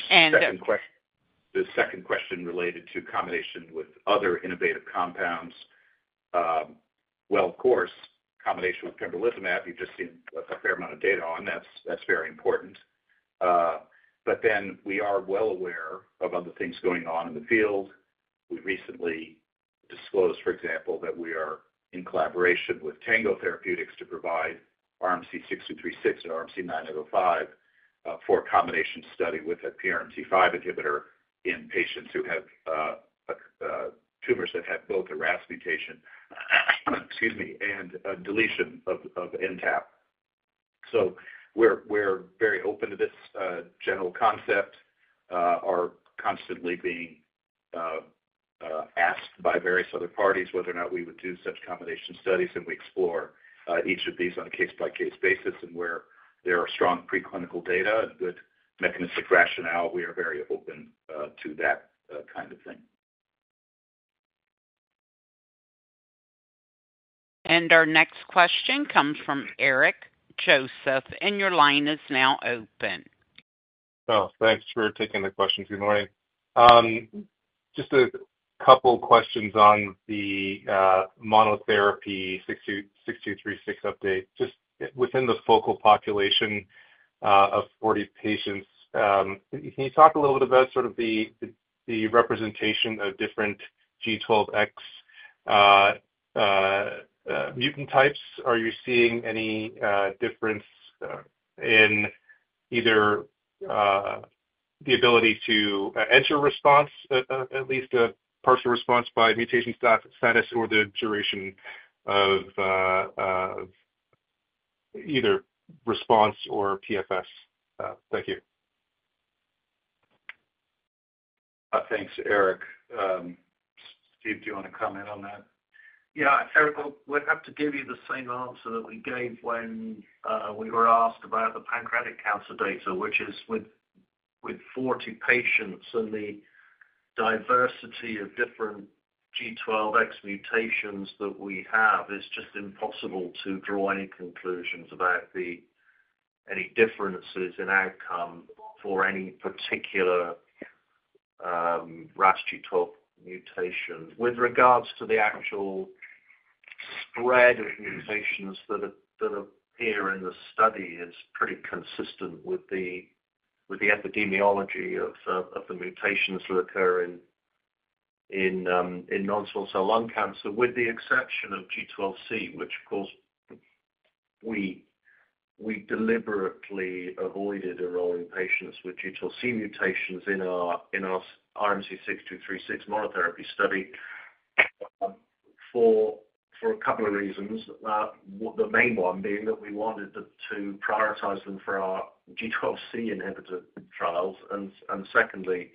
second question related to combination with other innovative compounds, well, of course, combination with pembrolizumab, you've just seen a fair amount of data on, that's very important, but then we are well aware of other things going on in the field. We recently disclosed, for example, that we are in collaboration with Tango Therapeutics to provide RMC-6236 and RMC-9805 for a combination study with a PRMT5 inhibitor in patients who have tumors that have both a RAS mutation and deletion of MTAP. So we're very open to this general concept. We're constantly being asked by various other parties whether or not we would do such combination studies, and we explore each of these on a case-by-case basis. And where there are strong preclinical data and good mechanistic rationale, we are very open to that kind of thing. And our next question comes from Eric Joseph, and your line is now open. Oh, thanks for taking the question. Good morning. Just a couple of questions on the monotherapy 6236 update. Just within the focal population of 40 patients, can you talk a little bit about sort of the representation of different G12X mutant types? Are you seeing any difference in either the ability to enter response, at least a partial response by mutation status, or the duration of either response or PFS? Thank you. Thanks, Eric. Steve, do you want to comment on that? Yeah. Eric, we'd have to give you the same answer that we gave when we were asked about the pancreatic cancer data, which is with 40 patients and the diversity of different G12X mutations that we have, it's just impossible to draw any conclusions about any differences in outcome for any particular RAS G12 mutation. With regards to the actual spread of mutations that appear in the study, it's pretty consistent with the epidemiology of the mutations that occur in non-small cell lung cancer, with the exception of G12C, which, of course, we deliberately avoided enrolling patients with G12C mutations in our RMC-6236 monotherapy study for a couple of reasons. The main one being that we wanted to prioritize them for our G12C inhibitor trials, and secondly,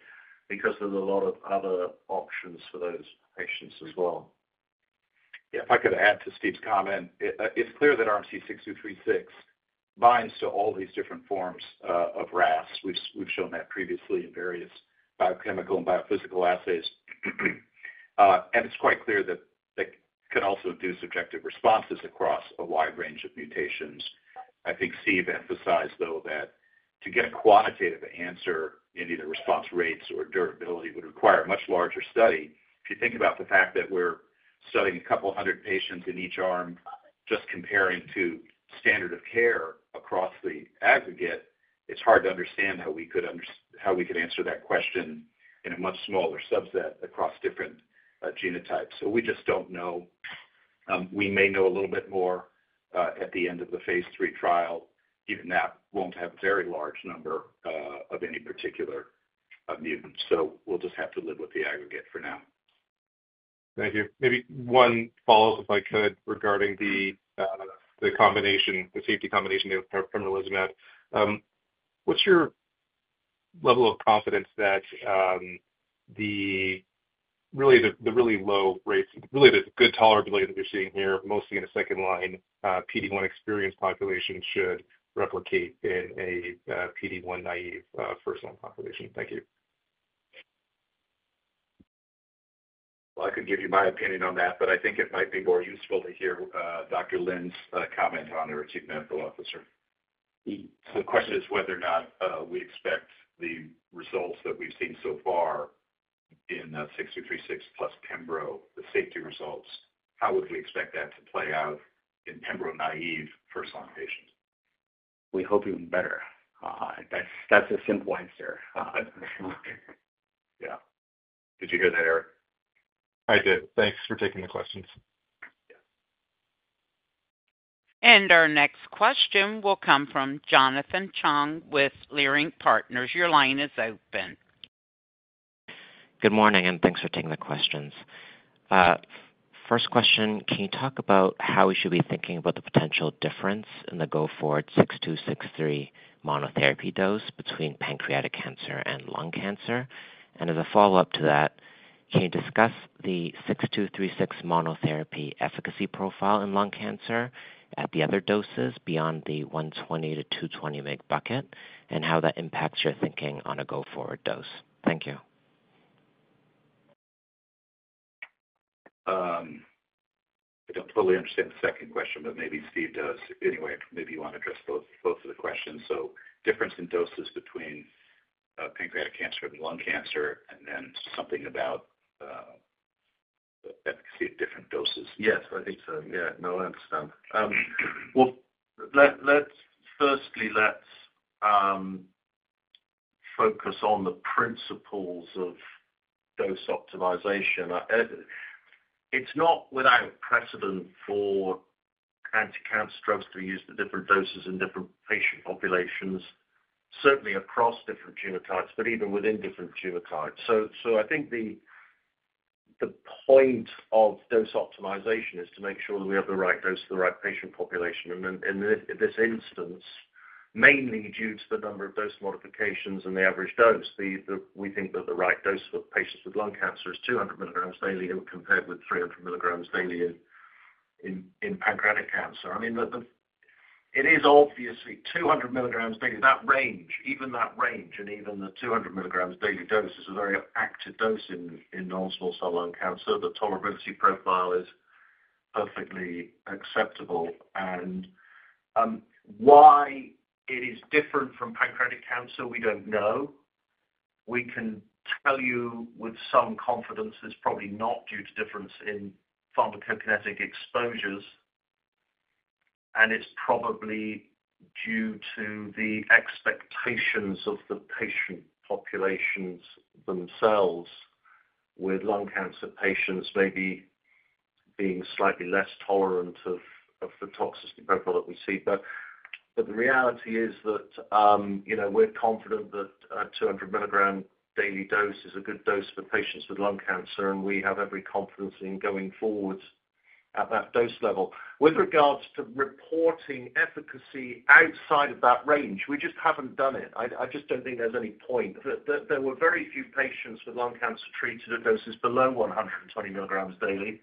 because there's a lot of other options for those patients as well. Yeah. If I could add to Steve's comment, it's clear that RMC-6236 binds to all these different forms of RAS. We've shown that previously in various biochemical and biophysical assays. And it's quite clear that it can also induce objective responses across a wide range of mutations. I think Steve emphasized, though, that to get a quantitative answer in either response rates or durability would require a much larger study. If you think about the fact that we're studying a couple hundred patients in each arm, just comparing to standard of care across the aggregate, it's hard to understand how we could answer that question in a much smaller subset across different genotypes. So we just don't know. We may know a little bit more at the end of the phase III trial. Even that won't have a very large number of any particular mutants. So we'll just have to live with the aggregate for now. Thank you. Maybe one follow-up, if I could, regarding the safety combination of pembrolizumab. What's your level of confidence that really the really low rates, really the good tolerability that you're seeing here, mostly in a second-line, PD-1 experienced population should replicate in a PD-1 naive first-line population? Thank you. Well, I could give you my opinion on that, but I think it might be more useful to hear Dr. Lin, our Chief Medical Officer. The question is whether or not we expect the results that we've seen so far in 6236 plus pembro, the safety results. How would we expect that to play out in pembro naive first-line patients? We hope even better. That's a simple answer. Yeah. Did you hear that, Eric? I did. Thanks for taking the questions. And our next question will come from Jonathan Chang with Leerink Partners. Your line is open. Good morning, and thanks for taking the questions. First question, can you talk about how we should be thinking about the potential difference in the RMC-6236 monotherapy dose between pancreatic cancer and lung cancer? And as a follow-up to that, can you discuss the 6236 monotherapy efficacy profile in lung cancer at the other doses beyond the 120-220 mg bucket, and how that impacts your thinking on an RMC dose? Thank you. I don't fully understand the second question, but maybe Steve does. Anyway, maybe you want to address both of the questions. So difference in doses between pancreatic cancer and lung cancer, and then something about the efficacy of different doses. Yes. I think so. Yeah. No, that's fine. Firstly, let's focus on the principles of dose optimization. It's not without precedent for anti-cancer drugs to be used at different doses in different patient populations, certainly across different genotypes, but even within different genotypes, so I think the point of dose optimization is to make sure that we have the right dose for the right patient population, and in this instance, mainly due to the number of dose modifications and the average dose, we think that the right dose for patients with lung cancer is 200 mg daily compared with 300 mg daily in pancreatic cancer. I mean, it is obviously 200 mg daily. Even that range and even the 200 mg daily dose is a very active dose in non-small cell lung cancer. The tolerability profile is perfectly acceptable, and why it is different from pancreatic cancer, we don't know. We can tell you with some confidence it's probably not due to difference in pharmacokinetic exposures, and it's probably due to the expectations of the patient populations themselves, with lung cancer patients maybe being slightly less tolerant of the toxicity profile that we see. But the reality is that we're confident that a 200 mg daily dose is a good dose for patients with lung cancer, and we have every confidence in going forward at that dose level. With regards to reporting efficacy outside of that range, we just haven't done it. I just don't think there's any point. There were very few patients with lung cancer treated at doses below 120 mg daily.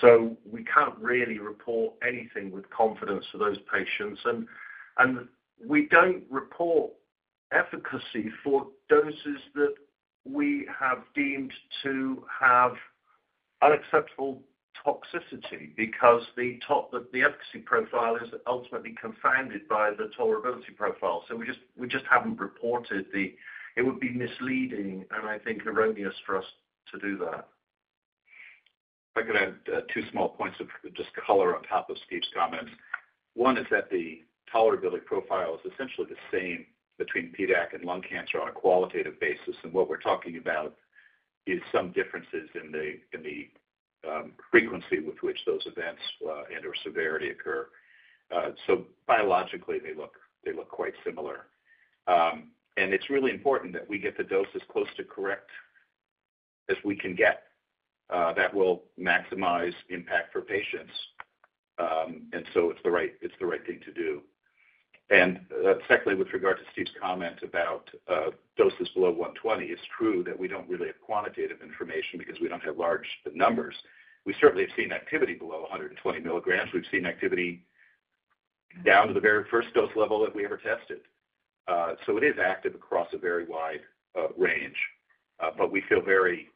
So we can't really report anything with confidence for those patients. We don't report efficacy for doses that we have deemed to have unacceptable toxicity because the efficacy profile is ultimately confounded by the tolerability profile. So we just haven't reported it. It would be misleading and, I think, erroneous for us to do that. I can add two small points of just color on top of Steve's comments. One is that the tolerability profile is essentially the same between PDAC and lung cancer on a qualitative basis. And what we're talking about is some differences in the frequency with which those events and/or severity occur. So biologically, they look quite similar. And it's really important that we get the dose as close to correct as we can get. That will maximize impact for patients. And so it's the right thing to do. Secondly, with regard to Steve's comment about doses below 120, it's true that we don't really have quantitative information because we don't have large numbers. We certainly have seen activity below 120 mg. We've seen activity down to the very first dose level that we ever tested. So it is active across a very wide range. But we feel very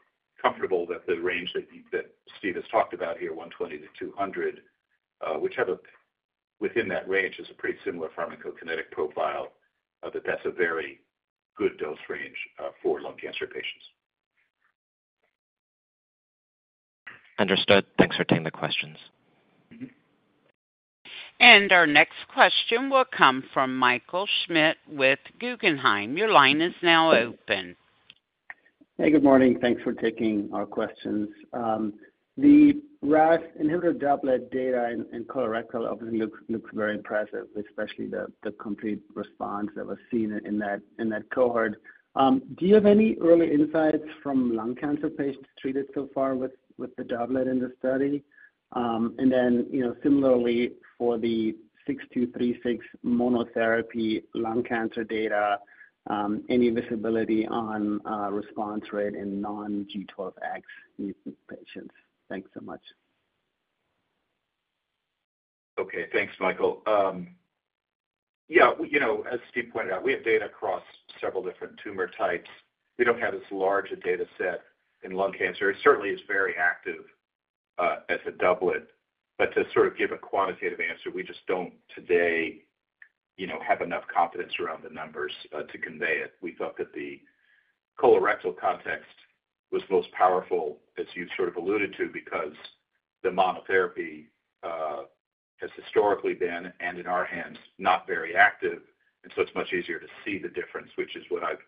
comfortable that the range that Steve has talked about here, 120 mg-200 mg, which within that range is a pretty similar pharmacokinetic profile, that that's a very good dose range for lung cancer patients. Understood. Thanks for taking the questions. Our next question will come from Michael Schmidt with Guggenheim. Your line is now open. Hey, good morning. Thanks for taking our questions. The RAS inhibitor doublet data in colorectal looks very impressive, especially the complete response that was seen in that cohort. Do you have any early insights from lung cancer patients treated so far with the doublet in the study? And then similarly, for the 6236 monotherapy lung cancer data, any visibility on response rate in non-G12X mutant patients? Thanks so much. Okay. Thanks, Michael. Yeah. As Steve pointed out, we have data across several different tumor types. We don't have as large a dataset in lung cancer. It certainly is very active as a doublet. But to sort of give a quantitative answer, we just don't today have enough confidence around the numbers to convey it. We thought that the colorectal context was most powerful, as you've sort of alluded to, because the monotherapy has historically been, and in our hands, not very active. And so it's much easier to see the difference, which is what I've,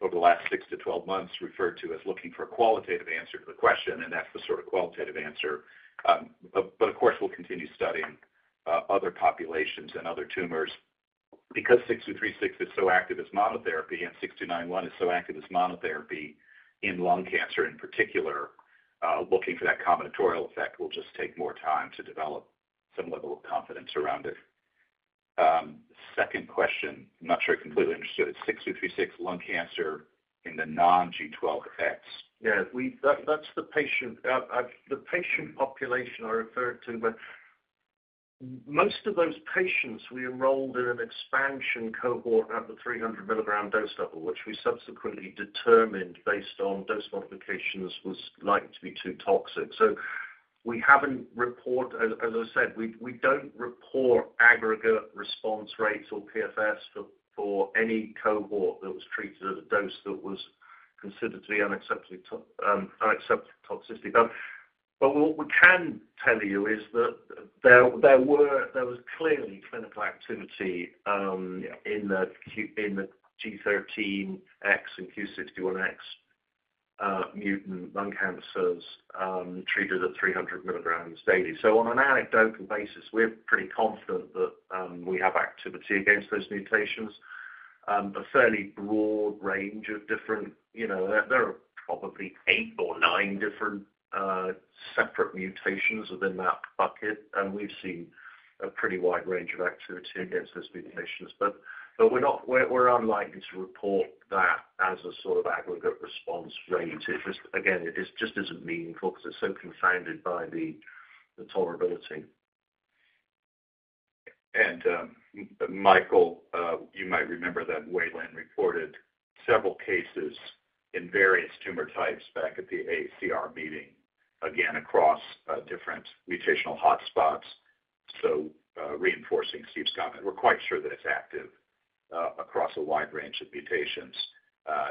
over the last six to 12 months, referred to as looking for a qualitative answer to the question. And that's the sort of qualitative answer. But of course, we'll continue studying other populations and other tumors. Because 6236 is so active as monotherapy and 6291 is so active as monotherapy in lung cancer in particular, looking for that combinatorial effect will just take more time to develop some level of confidence around it. Second question, I'm not sure I completely understood it. 6236 lung cancer in the non-G12X. Yeah. That's the patient population I referred to. Most of those patients we enrolled in an expansion cohort at the 300 mg dose level, which we subsequently determined based on dose modifications was likely to be too toxic. So we haven't reported, as I said, we don't report aggregate response rates or PFS for any cohort that was treated at a dose that was considered to be unacceptable toxicity. But what we can tell you is that there was clearly clinical activity in the G13X and Q61X mutant lung cancers treated at 300 mg daily. So on an anecdotal basis, we're pretty confident that we have activity against those mutations. A fairly broad range of different, there are probably eight or nine different separate mutations within that bucket. And we've seen a pretty wide range of activity against those mutations. But we're unlikely to report that as a sort of aggregate response rate. Again, it just isn't meaningful because it's so confounded by the tolerability. And Michael, you might remember that Wei Lin reported several cases in various tumor types back at the AACR meeting, again, across different mutational hotspots. So, reinforcing Steve's comment, we're quite sure that it's active across a wide range of mutations.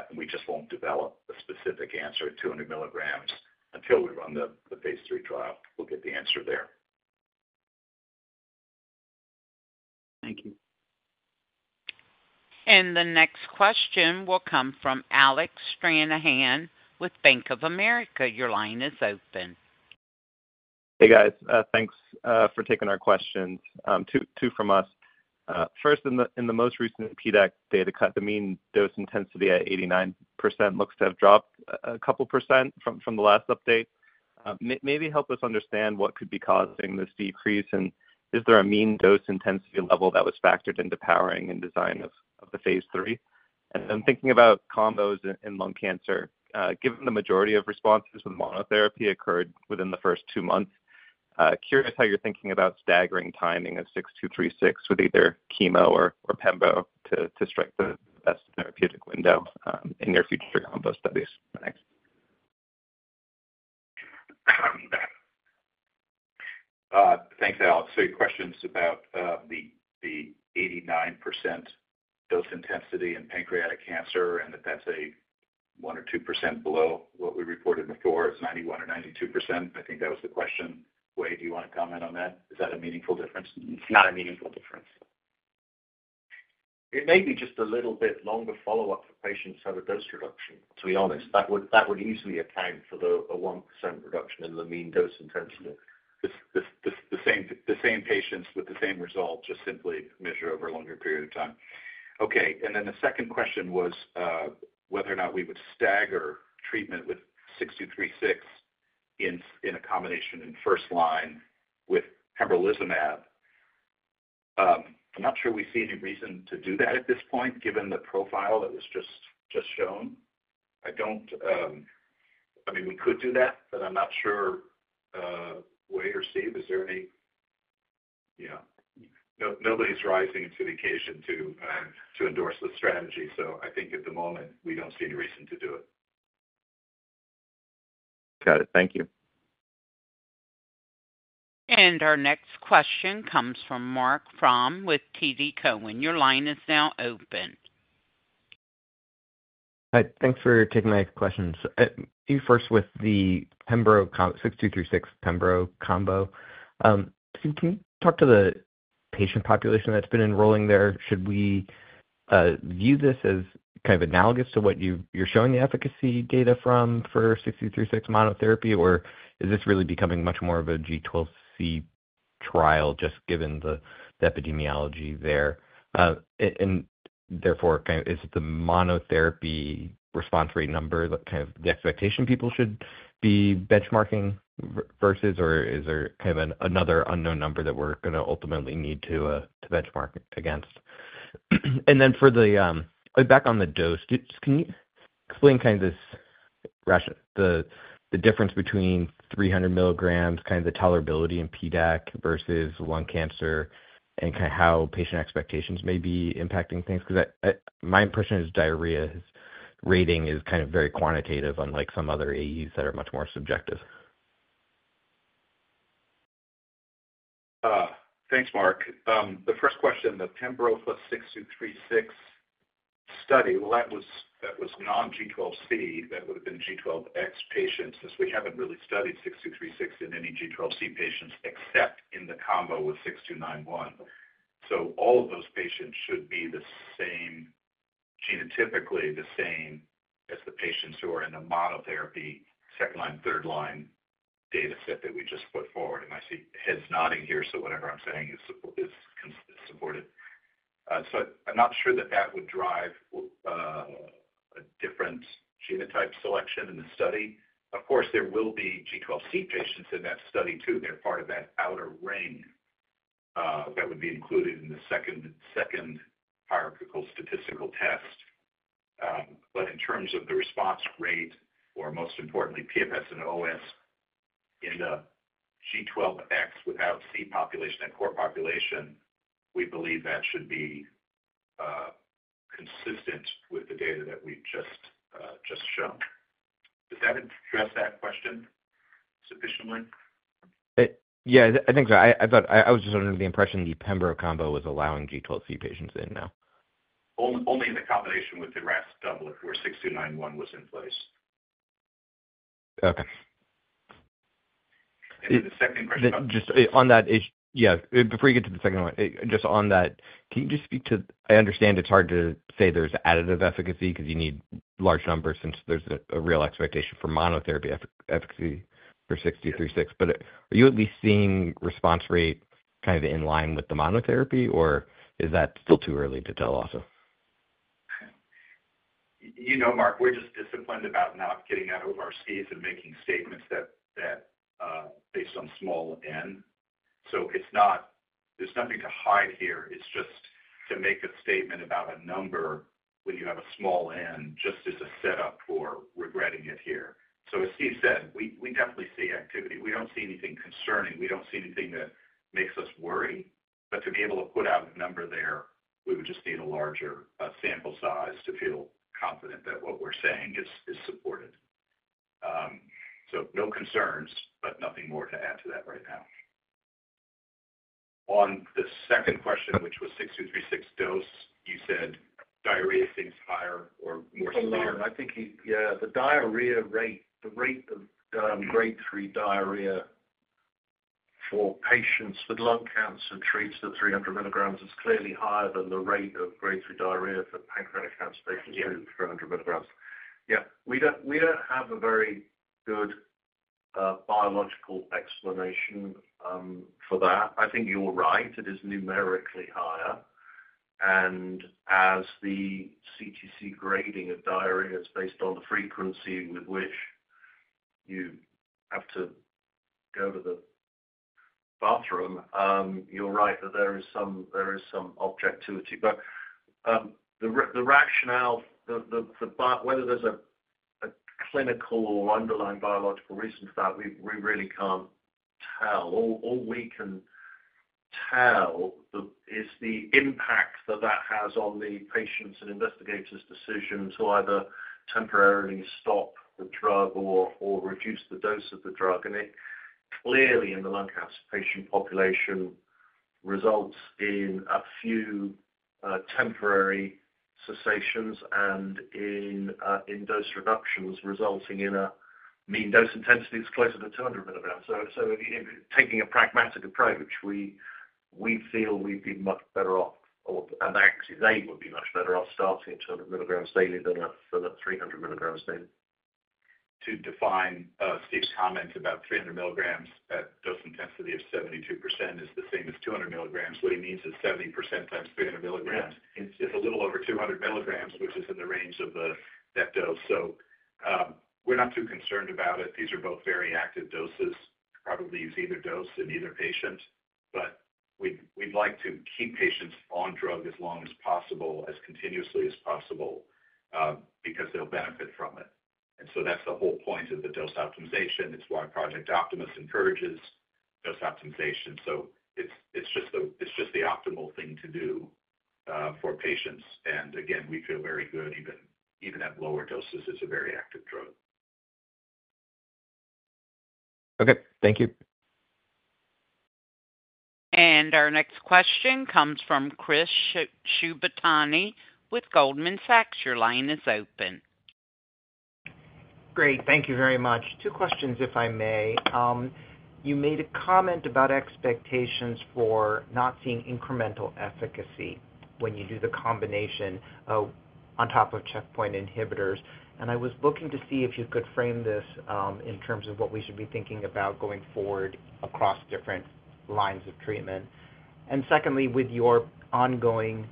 And we just won't develop a specific answer at 200 mg until we run the phase III trial. We'll get the answer there. Thank you. And the next question will come from Alec Stranahan with Bank of America. Your line is open. Hey, guys. Thanks for taking our questions. Two from us. First, in the most recent PDAC data cut, the mean dose intensity at 89% looks to have dropped a couple percent from the last update. Maybe help us understand what could be causing this decrease. And is there a mean dose intensity level that was factored into powering and design of the phase III? And then thinking about combos in lung cancer, given the majority of responses with monotherapy occurred within the first two months, curious how you're thinking about staggering timing of 6236 with either chemo or pembro to strike the best therapeutic window in your future combo studies? Thanks. Thanks, Alec. So your questions about the 89% dose intensity in pancreatic cancer and that that's a 1 or 2% below what we reported before is 91 or 92%. I think that was the question. Wei, do you want to comment on that? Is that a meaningful difference? It's not a meaningful difference. It may be just a little bit longer follow-up for patients who have a dose reduction. To be honest, that would easily account for the 1% reduction in the mean dose intensity. The same patients with the same result just simply measure over a longer period of time. Okay. And then the second question was whether or not we would stagger treatment with 6236 in a combination in first line with pembrolizumab. I'm not sure we see any reason to do that at this point, given the profile that was just shown. I mean, we could do that, but I'm not sure, Wei or Steve, is there any—yeah. Nobody's rising to the occasion to endorse the strategy. So I think at the moment, we don't see any reason to do it. Got it. Thank you. And our next question comes from Marc Frahm with TD Cowen. Your line is now open. Hi. Thanks for taking my questions. You first with the 6236 pembo combo. Can you talk to the patient population that's been enrolling there? Should we view this as kind of analogous to what you're showing the efficacy data from for 6236 monotherapy, or is this really becoming much more of a G12C trial just given the epidemiology there? And therefore, is it the monotherapy response rate number that kind of the expectation people should be benchmarking versus, or is there kind of another unknown number that we're going to ultimately need to benchmark against? And then, back on the dose, can you explain kind of the difference between 300 mg, kind of the tolerability in PDAC versus lung cancer, and kind of how patient expectations may be impacting things? Because my impression is diarrhea rating is kind of very quantitative unlike some other AEs that are much more subjective. Thanks, Marc. The first question, the pembrolizumab plus 6236 study, well, that was non-G12C. That would have been G12X patients because we haven't really studied 6236 in any G12C patients except in the combo with 6291. So all of those patients should be the same genotypically, the same as the patients who are in the monotherapy second line, third line dataset that we just put forward. And I see heads nodding here, so whatever I'm saying is supported. So I'm not sure that that would drive a different genotype selection in the study. Of course, there will be G12C patients in that study too. They're part of that outer ring that would be included in the second hierarchical statistical test. But in terms of the response rate or, most importantly, PFS and OS in the G12X without C population and core population, we believe that should be consistent with the data that we've just shown. Does that address that question sufficiently? Yeah, I think so. I was just under the impression the pembro combo was allowing G12C patients in now. Only in the combination with the RAS doublet where 6291 was in place. Okay. And then the second question about. Just on that issue, yeah. Before you get to the second one, just on that, can you just speak to. I understand it's hard to say there's additive efficacy because you need large numbers since there's a real expectation for monotherapy efficacy for 6236. But are you at least seeing response rate kind of in line with the monotherapy, or is that still too early to tell also? You know, Mark, we're just disciplined about not getting out of our skis and making statements that based on small n. So there's nothing to hide here. It's just to make a statement about a number when you have a small n just as a setup for regretting it here. So as Steve said, we definitely see activity. We don't see anything concerning. We don't see anything that makes us worry. But to be able to put out a number there, we would just need a larger sample size to feel confident that what we're saying is supported. So no concerns, but nothing more to add to that right now. On the second question, which was 6236 dose, you said diarrhea seems higher or more severe. Yeah. The diarrhea rate, the rate of grade 3 diarrhea for patients with lung cancer treated at 300 mg is clearly higher than the rate of grade 3 diarrhea for pancreatic cancer patients treated at 300 mg. Yeah. We don't have a very good biological explanation for that. I think you're right. It is numerically higher. And as the CTC grading of diarrhea is based on the frequency with which you have to go to the bathroom, you're right that there is some objectivity. But the rationale, whether there's a clinical or underlying biological reason for that, we really can't tell. All we can tell is the impact that that has on the patients and investigators' decisions to either temporarily stop the drug or reduce the dose of the drug. And it clearly, in the lung cancer patient population, results in a few temporary cessations and in dose reductions resulting in a mean dose intensity that's closer to 200 mg. So taking a pragmatic approach, we feel we'd be much better off, and actually, they would be much better off starting at 200 mg daily than at 300 mg daily. To define Steve's comment about 300 mg at dose intensity of 72% is the same as 200 mg. What he means is 70% times 300 mg is a little over 200 mg, which is in the range of that dose. So we're not too concerned about it. These are both very active doses. Probably use either dose in either patient. But we'd like to keep patients on drug as long as possible, as continuously as possible, because they'll benefit from it. And so that's the whole point of the dose optimization. It's why Project Optimus encourages dose optimization. So it's just the optimal thing to do for patients. And again, we feel very good even at lower doses. It's a very active drug. Okay. Thank you. And our next question comes from Chris Shibutani with Goldman Sachs. Your line is open. Great. Thank you very much. Two questions, if I may. You made a comment about expectations for not seeing incremental efficacy when you do the combination on top of checkpoint inhibitors. And I was looking to see if you could frame this in terms of what we should be thinking about going forward across different lines of treatment. And secondly, with your ongoing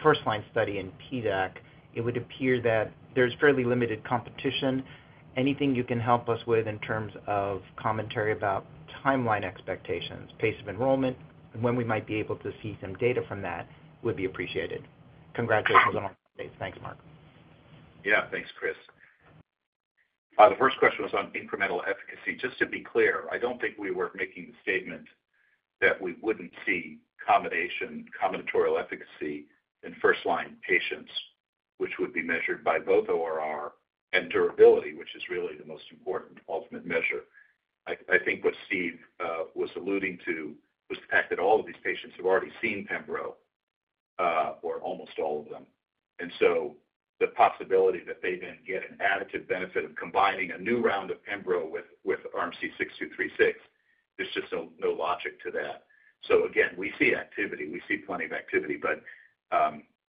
first-line study in PDAC, it would appear that there's fairly limited competition. Anything you can help us with in terms of commentary about timeline expectations, pace of enrollment, and when we might be able to see some data from that would be appreciated. Congratulations on all the updates. Thanks, Mark. Yeah. Thanks, Chris. The first question was on incremental efficacy. Just to be clear, I don't think we were making the statement that we wouldn't see combination combinatorial efficacy in first-line patients, which would be measured by both ORR and durability, which is really the most important ultimate measure. I think what Steve was alluding to was the fact that all of these patients have already seen pembro or almost all of them. And so the possibility that they then get an additive benefit of combining a new round of pembro with RMC-6236, there's just no logic to that. So again, we see activity. We see plenty of activity.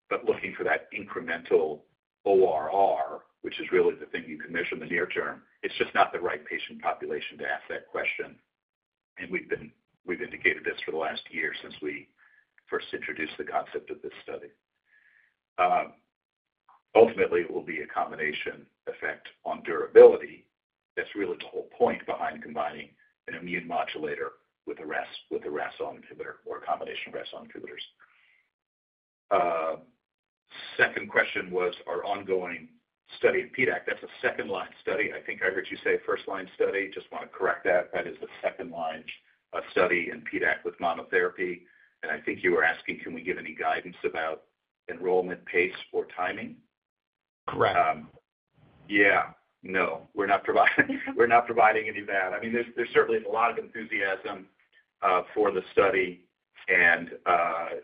But looking for that incremental ORR, which is really the thing you can measure in the near term, it's just not the right patient population to ask that question. And we've indicated this for the last year since we first introduced the concept of this study. Ultimately, it will be a combination effect on durability. That's really the whole point behind combining an immune modulator with a RAS(ON) inhibitor or a combination of RAS(ON) inhibitors. Second question was our ongoing study in PDAC. That's a second-line study. I think I heard you say first-line study. Just want to correct that. That is the second-line study in PDAC with monotherapy. And I think you were asking, can we give any guidance about enrollment pace or timing? Correct. Yeah. No. We're not providing any of that. I mean, there certainly is a lot of enthusiasm for the study. And at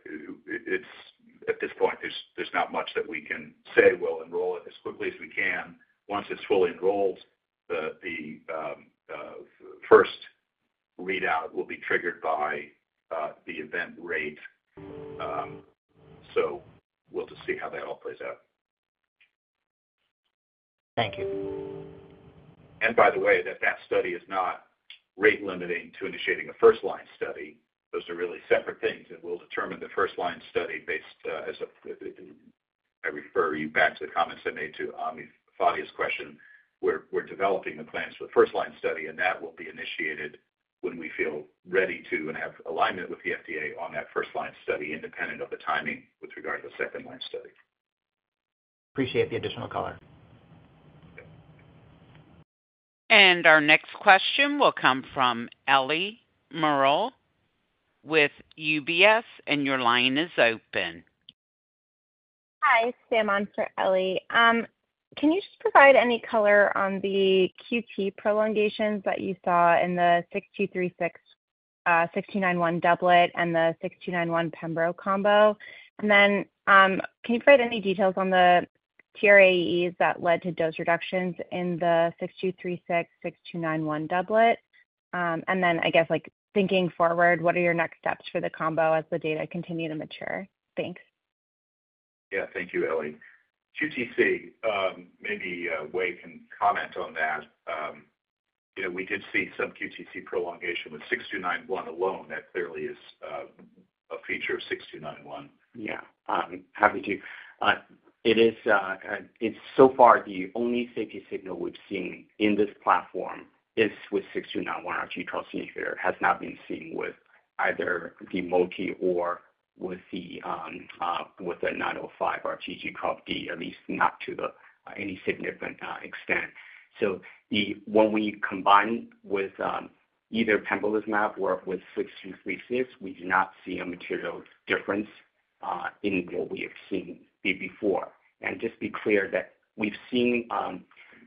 this point, there's not much that we can say we'll enroll it as quickly as we can. Once it's fully enrolled, the first readout will be triggered by the event rate. So we'll just see how that all plays out. Thank you. And by the way, that study is not rate limiting to initiating a first-line study. Those are really separate things. And we'll determine the first-line study based as I refer you back to the comments I made to Ami Fadia's question, we're developing the plans for the first-line study, and that will be initiated when we feel ready to and have alignment with the FDA on that first-line study independent of the timing with regard to the second-line study. Appreciate the additional color. And our next question will come from Ellie Merle with UBS, and your line is open. Hi. Sam for Ellie. Can you just provide any color on the QT prolongations that you saw in the 6236, 6291 doublet, and the 6291 pembro combo? And then can you provide any details on the TRAEs that led to dose reductions in the 6236, 6291 doublet? And then I guess thinking forward, what are your next steps for the combo as the data continue to mature? Thanks. Yeah. Thank you, Ellie. QTc, maybe Wei can comment on that. We did see some QTc prolongation with 6291 alone. That clearly is a feature of 6291. Yeah. Happy to. It is so far the only safety signal we've seen in this platform is with 6291, our RAS(ON) G12C inhibitor. It has not been seen with either the 6236 or with the 9805, our RAS(ON) G12D, at least not to any significant extent. So when we combine with either pembrolizumab or with 6236, we do not see a material difference in what we have seen before. And just be clear that we've seen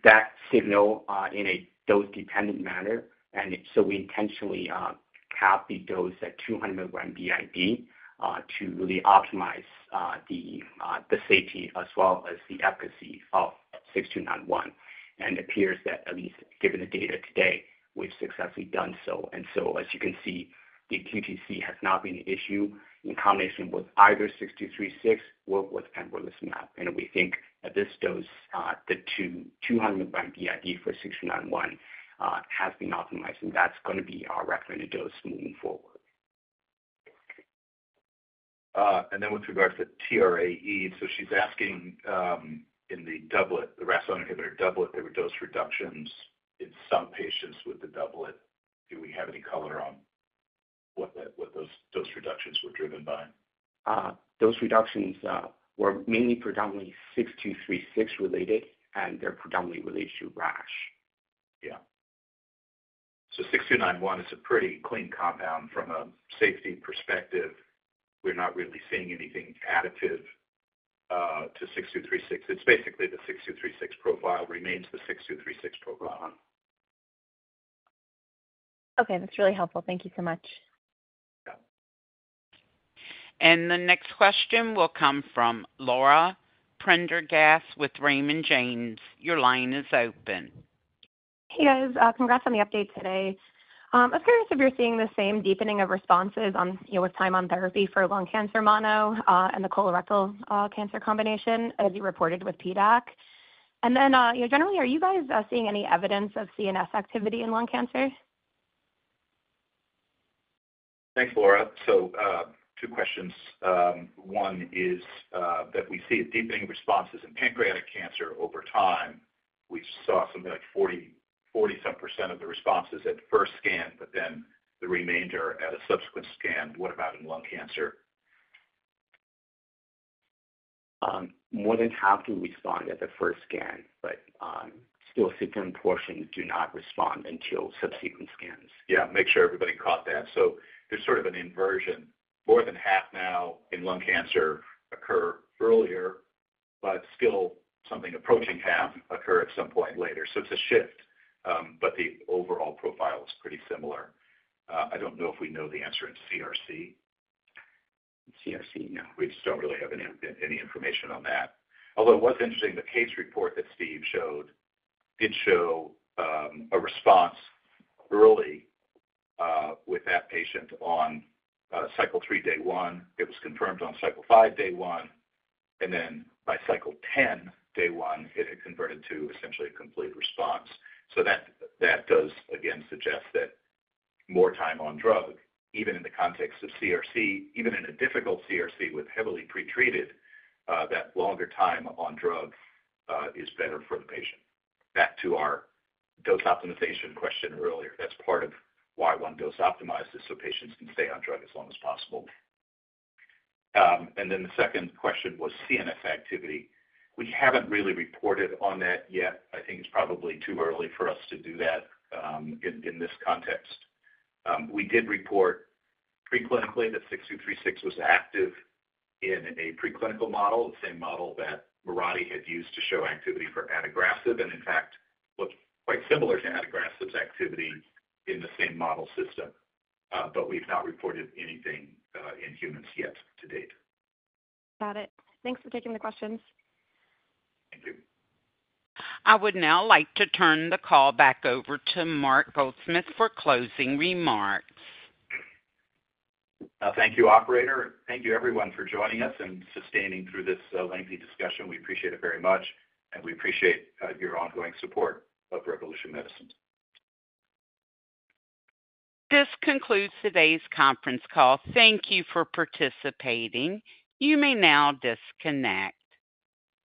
that signal in a dose-dependent manner. And so we intentionally halved the dose at 200 mg b.i.d. to really optimize the safety as well as the efficacy of 6291. And it appears that, at least given the data today, we've successfully done so. And so as you can see, the QTc has not been an issue in combination with either 6236 or with pembrolizumab. And we think at this dose, the 200 mg b.i.d. for 6291 has been optimized. And that's going to be our recommended dose moving forward. And then with regards to TRAEs, so she's asking in the doublet, the RAS(ON) inhibitor doublet, there were dose reductions in some patients with the doublet. Do we have any color on what those dose reductions were driven by? Dose reductions were mainly predominantly 6236 related, and they're predominantly related to RAS. Yeah. So 6291 is a pretty clean compound from a safety perspective. We're not really seeing anything additive to 6236. It's basically the 6236 profile remains the 6236 profile. Okay. That's really helpful. Thank you so much. Yeah, and the next question will come from Laura Prendergast with Raymond James. Your line is open. Hey, guys. Congrats on the update today. I was curious if you're seeing the same deepening of responses with time on therapy for lung cancer mono and the colorectal cancer combination as you reported with PDAC, and then generally, are you guys seeing any evidence of CNS activity in lung cancer? Thanks, Laura, so two questions. One is that we see a deepening responses in pancreatic cancer over time. We saw something like 40-some% of the responses at first scan, but then the remainder at a subsequent scan. What about in lung cancer? More than half do respond at the first scan, but still significant portions do not respond until subsequent scans. Yeah. Make sure everybody caught that, so there's sort of an inversion. More than half now in lung cancer occur earlier, but still something approaching half occur at some point later, so it's a shift, but the overall profile is pretty similar. I don't know if we know the answer in CRC. In CRC, no. We just don't really have any information on that. Although it was interesting, the case report that Steve showed did show a response early with that patient on cycle three, day one. It was confirmed on cycle five, day one, and then by cycle ten, day one, it had converted to essentially a complete response, so that does, again, suggest that more time on drug, even in the context of CRC, even in a difficult CRC with heavily pretreated, that longer time on drug is better for the patient. Back to our dose optimization question earlier, that's part of why one dose optimizes so patients can stay on drug as long as possible. And then the second question was CNS activity. We haven't really reported on that yet. I think it's probably too early for us to do that in this context. We did report preclinically that 6236 was active in a preclinical model, the same model that Mirati had used to show activity for adagrasib, and in fact, looked quite similar to adagrasib's activity in the same model system. But we've not reported anything in humans yet to date. Got it. Thanks for taking the questions. Thank you. I would now like to turn the call back over to Mark Goldsmith for closing remarks. Thank you, operator. Thank you, everyone, for joining us and sustaining through this lengthy discussion. We appreciate it very much, and we appreciate your ongoing support of Revolution Medicines. This concludes today's conference call. Thank you for participating. You may now disconnect.